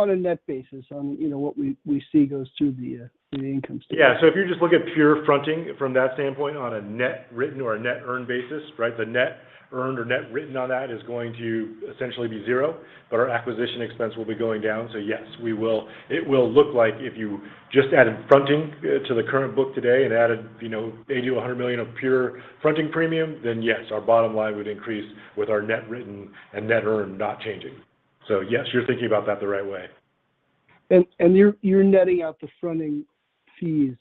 No, on a net basis, you know, what we see goes through the income statement. Yeah. If you just look at pure fronting from that standpoint on a net written or a net earned basis, right, the net earned or net written on that is going to essentially be zero, but our acquisition expense will be going down, so yes, we will. It will look like if you just added fronting to the current book today and added, you know, $80 million-$100 million of pure fronting premium, then yes, our bottom line would increase with our net written and net earned not changing. Yes, you're thinking about that the right way. You're netting out the fronting fees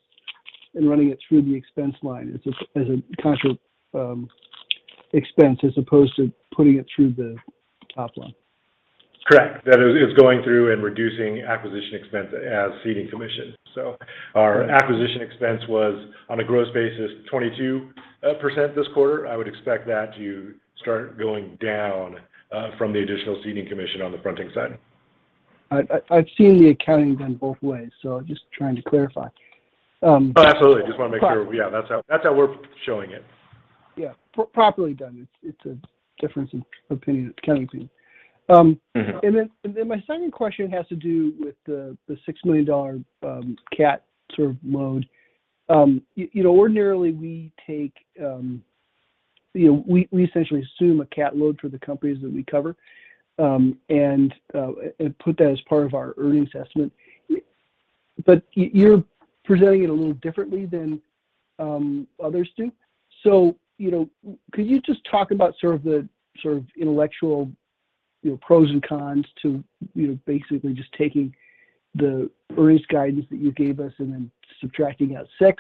and running it through the expense line as a contra expense as opposed to putting it through the top line. Correct. That is going through and reducing acquisition expense as ceding commission. Our acquisition expense was on a gross basis 22% this quarter. I would expect that to start going down from the additional ceding commission on the fronting side. I've seen the accounting done both ways, so I'm just trying to clarify. No, absolutely. But- Just wanna make sure. Yeah, that's how we're showing it. Yeah. Properly done. It's a difference in opinion. It's accounting opinion. Mm-hmm. My second question has to do with the $6 million CAT sort of load. You know, ordinarily we take, you know, we essentially assume a CAT load for the companies that we cover, and put that as part of our earnings estimate. But you're presenting it a little differently than others do. You know, could you just talk about sort of the intellectual, you know, pros and cons to, you know, basically just taking the earnings guidance that you gave us and then subtracting out $6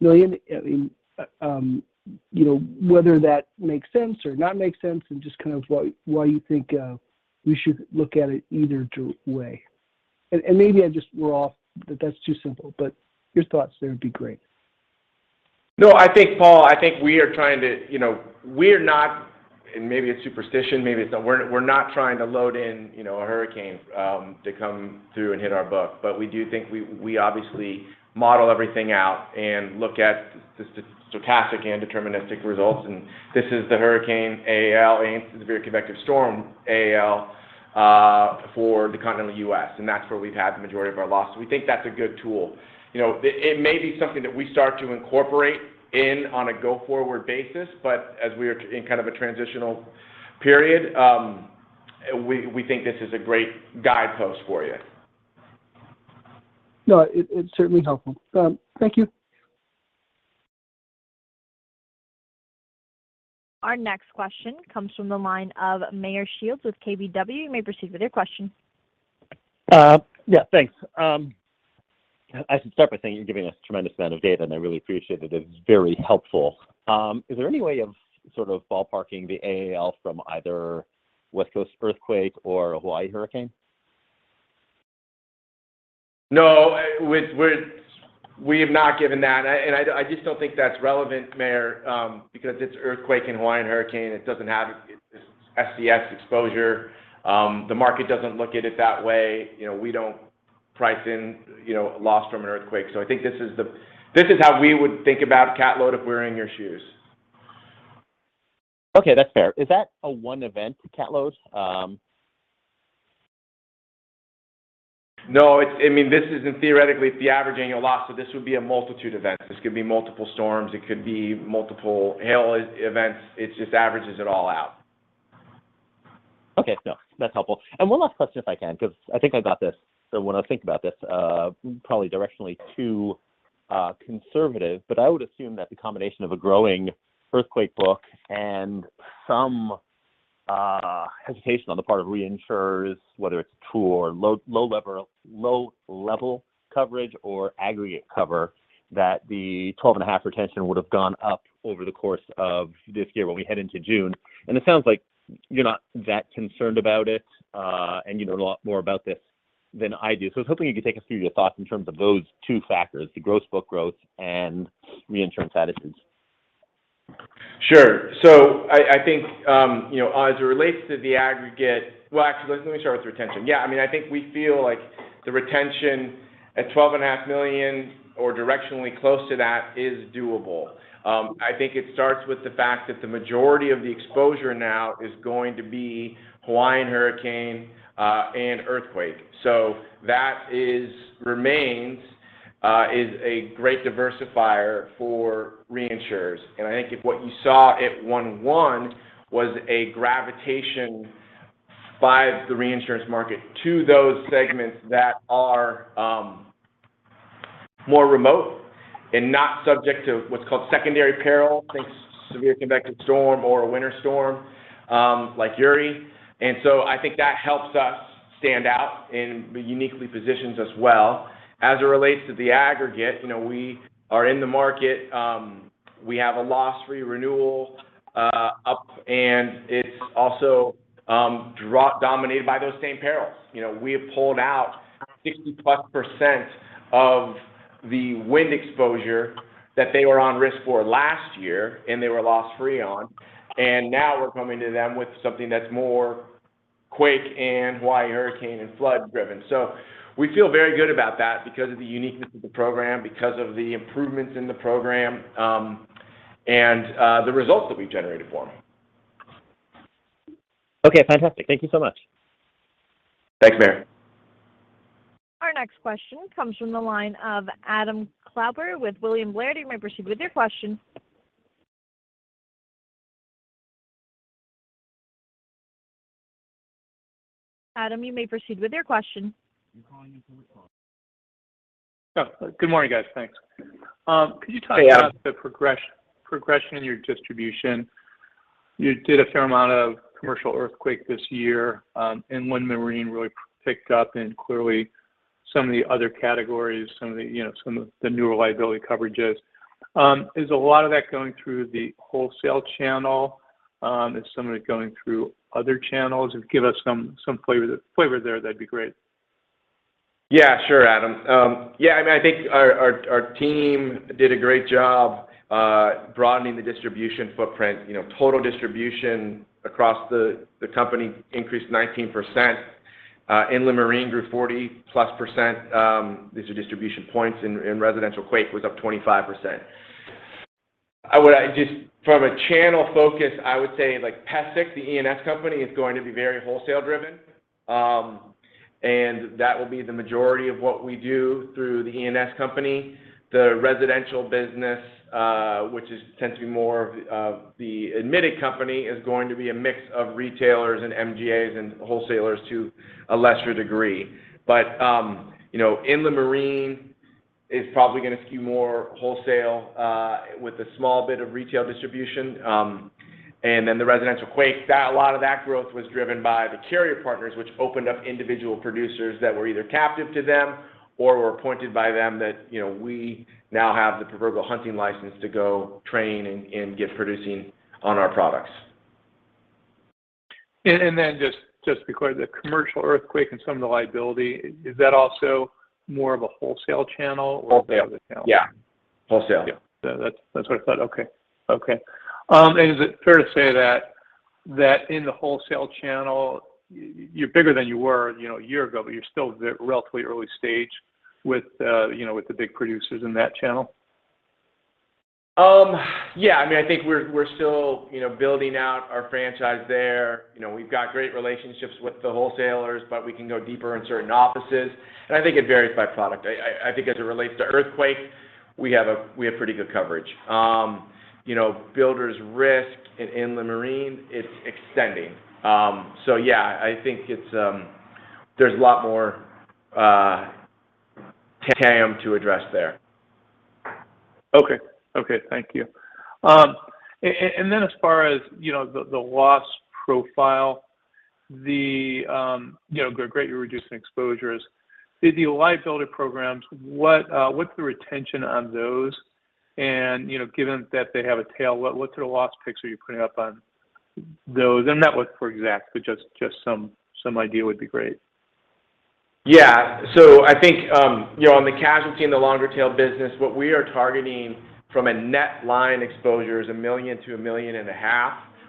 million? I mean, you know, whether that makes sense or not makes sense and just kind of why you think we should look at it either way. We're off, that's too simple, but your thoughts there would be great. No, I think, Paul, we are trying to. You know, we're not, and maybe it's superstition, maybe it's not, we're not trying to load in, you know, a hurricane to come through and hit our book. We do think we obviously model everything out and look at the stochastic and deterministic results, and this is the hurricane AAL and it's the severe convective storm AAL for the continental U.S., and that's where we've had the majority of our losses. We think that's a good tool. You know, it may be something that we start to incorporate in on a go-forward basis, but as we are in kind of a transitional period, we think this is a great guidepost for you. No, it's certainly helpful. Thank you. Our next question comes from the line of Meyer Shields with KBW. You may proceed with your question. Yeah. Thanks. I should start by saying you're giving a tremendous amount of data, and I really appreciate it. It's very helpful. Is there any way of sort of ballparking the AAL from either West Coast earthquake or a Hawaii hurricane? No, we have not given that. I just don't think that's relevant, Meyer, because it's earthquake and Hawaiian hurricane, it doesn't have this SCS exposure. The market doesn't look at it that way. You know, we don't price in, you know, loss from an earthquake. I think this is how we would think about CAT load if we're in your shoes. Okay, that's fair. Is that a one event CAT load? No. I mean, this isn't theoretical, it's the averaging a loss, so this would be a multitude event. This could be multiple storms, it could be multiple hail events. It just averages it all out. Okay. No, that's helpful. One last question if I can, because I think I got this. When I think about this, probably directionally too conservative, but I would assume that the combination of a growing earthquake book and some hesitation on the part of reinsurers, whether it's too low level coverage or aggregate cover, that the 12.5 retention would've gone up over the course of this year when we head into June. It sounds like you're not that concerned about it, and you know a lot more about this than I do. I was hoping you could take us through your thoughts in terms of those two factors, the gross book growth and reinsurance attitudes. Sure. I think you know, as it relates to the aggregate. Well, actually, let me start with retention. Yeah, I mean, I think we feel like the retention at $12.5 million or directionally close to that is doable. I think it starts with the fact that the majority of the exposure now is going to be Hawaiian hurricane and earthquake. So that remains a great diversifier for reinsurers. I think if what you saw at 1/1 was a gravitation by the reinsurance market to those segments that are more remote and not subject to what's called secondary peril, think severe convective storm or a winter storm like Uri. I think that helps us stand out and uniquely positions us well. As it relates to the aggregate, you know, we are in the market, we have a loss ratio renewal up, and it's also driven by those same perils. You know, we have pulled out 60+% of the wind exposure that they were on risk for last year, and they were loss-free on, and now we're coming to them with something that's more quake and Hawaii hurricane and flood driven. We feel very good about that because of the uniqueness of the program, because of the improvements in the program, and the results that we've generated for them. Okay, fantastic. Thank you so much. Thanks, Meyer. Our next question comes from the line of Adam Klauber with William Blair. You may proceed with your question. Adam, you may proceed with your question. Oh, good morning, guys. Thanks. Could you talk about? Hey, Adam.... the progression in your distribution? You did a fair amount of commercial earthquake this year, and Inland Marine really picked up, and clearly some of the other categories, some of the, you know, some of the newer liability coverages. Is a lot of that going through the wholesale channel? Is some of it going through other channels? If you could give us some flavor there, that'd be great. Yeah, sure, Adam. I mean, I think our team did a great job broadening the distribution footprint. You know, total distribution across the company increased 19%. Inland Marine grew 40+%, these are distribution points, and residential quake was up 25%. From a channel focus, I would say like PESIC, the E&S company, is going to be very wholesale driven, and that will be the majority of what we do through the E&S company. The residential business, which tends to be more of the admitted company, is going to be a mix of retailers and MGAs and wholesalers to a lesser degree. You know, Inland Marine is probably gonna skew more wholesale, with a small bit of retail distribution. The residential quake, a lot of that growth was driven by the carrier partners, which opened up individual producers that were either captive to them or were appointed by them that, you know, we now have the proverbial hunting license to go train and get producing on our products. Just because the commercial earthquake and some of the liability, is that also more of a wholesale channel or? Wholesale other channel? Yeah. Wholesale. Yeah. That's what I thought. Okay. Okay. And is it fair to say that in the wholesale channel you're bigger than you were, you know, a year ago, but you're still at the relatively early stage with, you know, with the big producers in that channel? Yeah. I mean, I think we're still, you know, building out our franchise there. You know, we've got great relationships with the wholesalers, but we can go deeper in certain offices, and I think it varies by product. I think as it relates to earthquake, we have pretty good coverage. You know, builders risk in Inland Marine, it's extending. So yeah, I think it's. There's a lot more TAM to address there. Okay, thank you. As far as, you know, the loss profile, you know, greatly reducing exposures with the liability programs, what's the retention on those? You know, given that they have a tail, what sort of loss picks are you putting up on those? Not looking for exact, but just some idea would be great. Yeah. I think, you know, on the casualty and the longer tail business, what we are targeting from a net line exposure is $1 million-$1.5 million.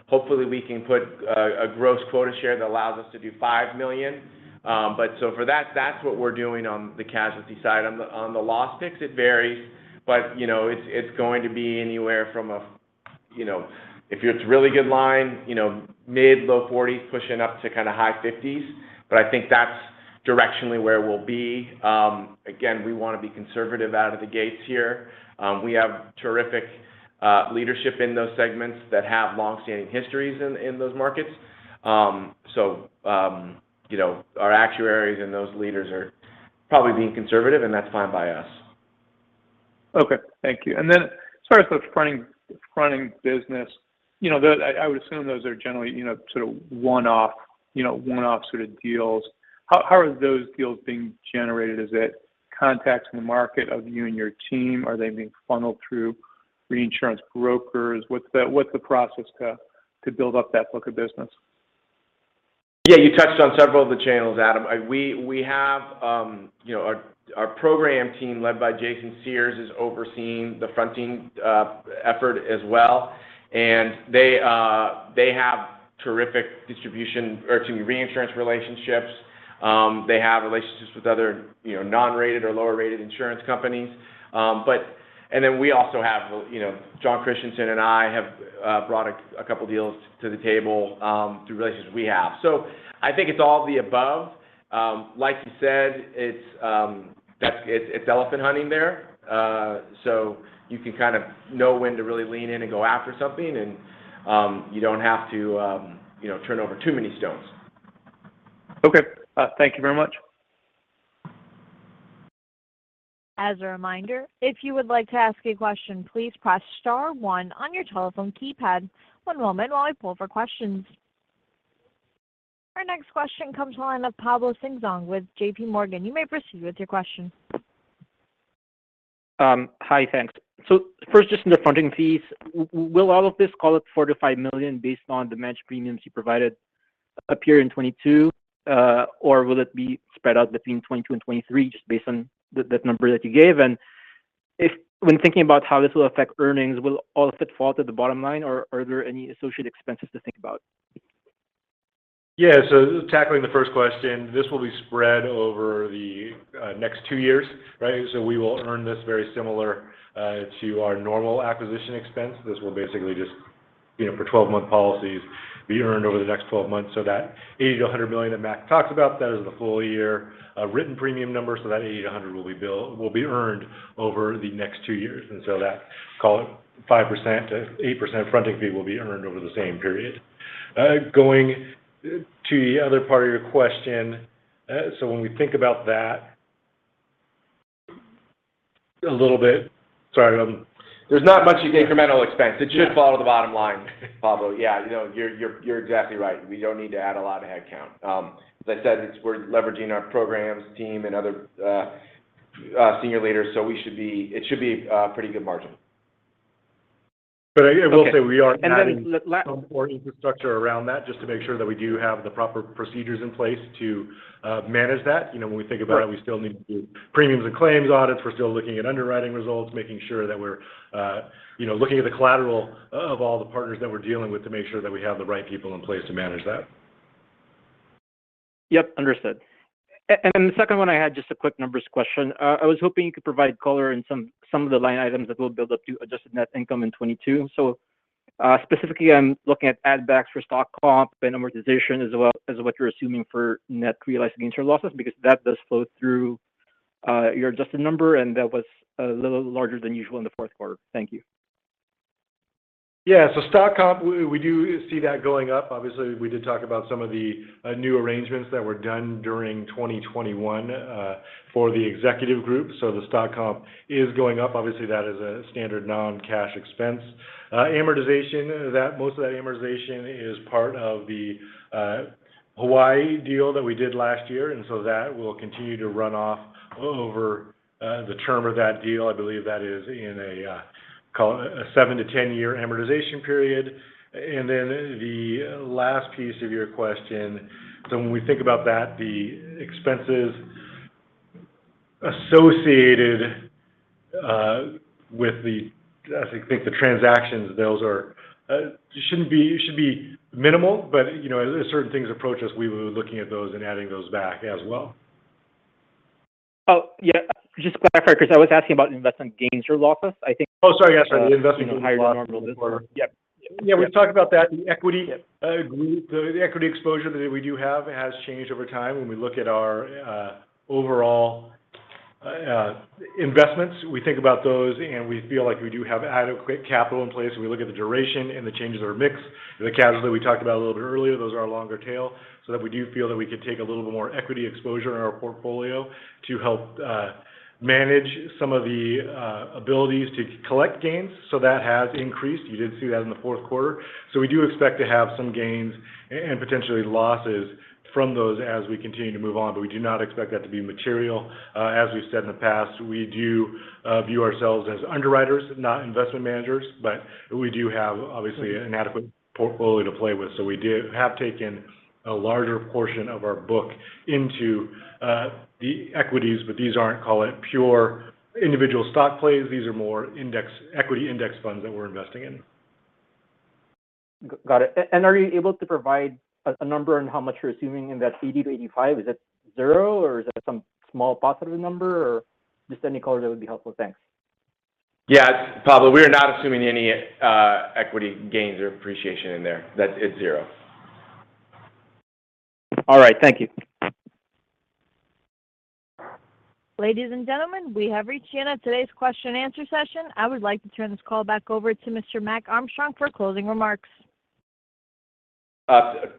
Hopefully, we can put a gross quota share that allows us to do $5 million. For that's what we're doing on the casualty side. On the loss picks, it varies, but you know, it's going to be anywhere from, you know, if it's a really good line, you know, mid- to low 40s% pushing up to kind of high 50s%. But I think that's directionally where we'll be. Again, we want to be conservative out of the gates here. We have terrific leadership in those segments that have long-standing histories in those markets. You know, our actuaries and those leaders are probably being conservative, and that's fine by us. Okay. Thank you. As far as the fronting business, you know, I would assume those are generally, you know, sort of one-off, you know, one-off sort of deals. How are those deals being generated? Is it contacts in the market or you and your team? Are they being funneled through reinsurance brokers? What's the process to build up that book of business? Yeah, you touched on several of the channels, Adam. We have, you know, our program team led by Jason Sears is overseeing the fronting effort as well. They have terrific distribution or excuse me, reinsurance relationships. They have relationships with other, you know, non-rated or lower rated insurance companies. Then we also have, you know, Jon Christianson and I have brought a couple deals to the table through relationships we have. I think it's all of the above. Like you said, it's elephant hunting there. You can kind of know when to really lean in and go after something and you don't have to, you know, turn over too many stones. Okay. Thank you very much. As a reminder, if you would like to ask a question, please press star one on your telephone keypad. One moment while I poll for questions. Our next question comes to the line of Pablo Singzon with JP Morgan. You may proceed with your question. First, just in the fronting fees, will all of this call it $4 million-$5 million based on the matched premiums you provided appear in 2022, or will it be spread out between 2022 and 2023 just based on that number that you gave? If when thinking about how this will affect earnings, will all of it fall to the bottom line or are there any associated expenses to think about? Yeah. Tackling the first question, this will be spread over the next two years, right? We will earn this very similar to our normal acquisition expense. This will basically just, you know, for 12-month policies be earned over the next 12 months. That $80 million-$100 million that Matt talks about, that is the full year written premium number. That $80 million-$100 million will be earned over the next two years. That, call it 5%-8% fronting fee, will be earned over the same period. Going to the other part of your question. When we think about that a little bit. Sorry. There's not much incremental expense. Yeah. It should fall to the bottom line, Pablo. Yeah. You know, you're exactly right. We don't need to add a lot of headcount. As I said, we're leveraging our programs team and other senior leaders, so it should be a pretty good margin. I will say we are adding. And then la-la- some more infrastructure around that just to make sure that we do have the proper procedures in place to manage that. You know, when we think about it. Sure ...we still need to do premiums and claims audits. We're still looking at underwriting results, making sure that we're, you know, looking at the collateral of all the partners that we're dealing with to make sure that we have the right people in place to manage that. Yep. Understood. The second one I had just a quick numbers question. I was hoping you could provide color on some of the line items that will build up to adjusted net income in 2022. Specifically, I'm looking at add backs for stock comp and amortization as well as what you're assuming for net realized gains or losses, because that does flow through your adjusted number, and that was a little larger than usual in the fourth quarter. Thank you. Yeah. Stock comp, we do see that going up. Obviously, we did talk about some of the new arrangements that were done during 2021 for the executive group. The stock comp is going up. Obviously, that is a standard non-cash expense. Amortization, most of that amortization is part of the Hawaii deal that we did last year, and that will continue to run off over the term of that deal. I believe that is in a call it a 7- to 10-year amortization period. Then the last piece of your question. When we think about that, the expenses associated with the, as you think the transactions, those should be minimal. You know, as certain things approach us, we will be looking at those and adding those back as well. Oh, yeah. Just to clarify, Chris, I was asking about investment gains or losses. I think. Sorry. Yes. Sorry. The investment gains and losses for- Yeah. Yeah. We've talked about that. The equity exposure that we do have has changed over time. When we look at our overall investments, we think about those, and we feel like we do have adequate capital in place. We look at the duration and the changes that are mixed. The casualty we talked about a little bit earlier. Longer tail, so that we do feel that we can take a little bit more equity exposure in our portfolio to help manage some of the abilities to collect gains. So that has increased. You did see that in the fourth quarter. So we do expect to have some gains and potentially losses from those as we continue to move on, but we do not expect that to be material. As we've said in the past, we do view ourselves as underwriters, not investment managers, but we do have, obviously, an adequate portfolio to play with. We have taken a larger portion of our book into the equities, but these aren't, call it, pure individual stock plays. These are more index, equity index funds that we're investing in. Got it. Are you able to provide a number on how much you're assuming in that 80-85? Is that zero or is that some small positive number or just any color that would be helpful? Thanks. Yeah. Pablo, we are not assuming any equity gains or appreciation in there. That is zero. All right. Thank you. Ladies and gentlemen, we have reached the end of today's question and answer session. I would like to turn this call back over to Mr. Mac Armstrong for closing remarks.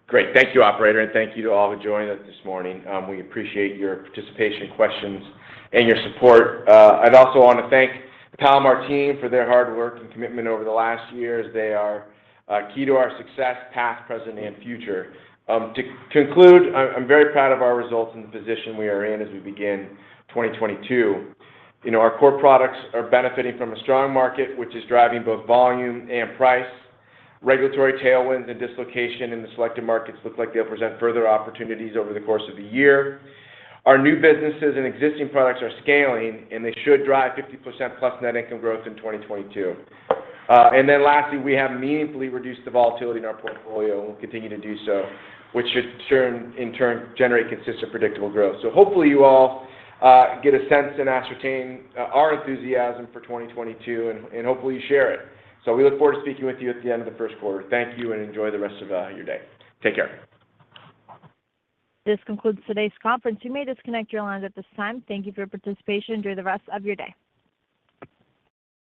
Great. Thank you, operator, and thank you to all who joined us this morning. We appreciate your participation, questions, and your support. I'd also wanna thank the Palomar team for their hard work and commitment over the last year, as they are key to our success, past, present, and future. To conclude, I'm very proud of our results and the position we are in as we begin 2022. You know, our core products are benefiting from a strong market, which is driving both volume and price. Regulatory tailwinds and dislocation in the selected markets look like they'll present further opportunities over the course of the year. Our new businesses and existing products are scaling, and they should drive 50%+ net income growth in 2022. Then lastly, we have meaningfully reduced the volatility in our portfolio, and we'll continue to do so, which should, in turn, generate consistent, predictable growth. Hopefully you all get a sense and ascertain our enthusiasm for 2022 and hopefully you share it. We look forward to speaking with you at the end of the first quarter. Thank you, and enjoy the rest of your day. Take care. This concludes today's conference. You may disconnect your lines at this time. Thank you for your participation. Enjoy the rest of your day.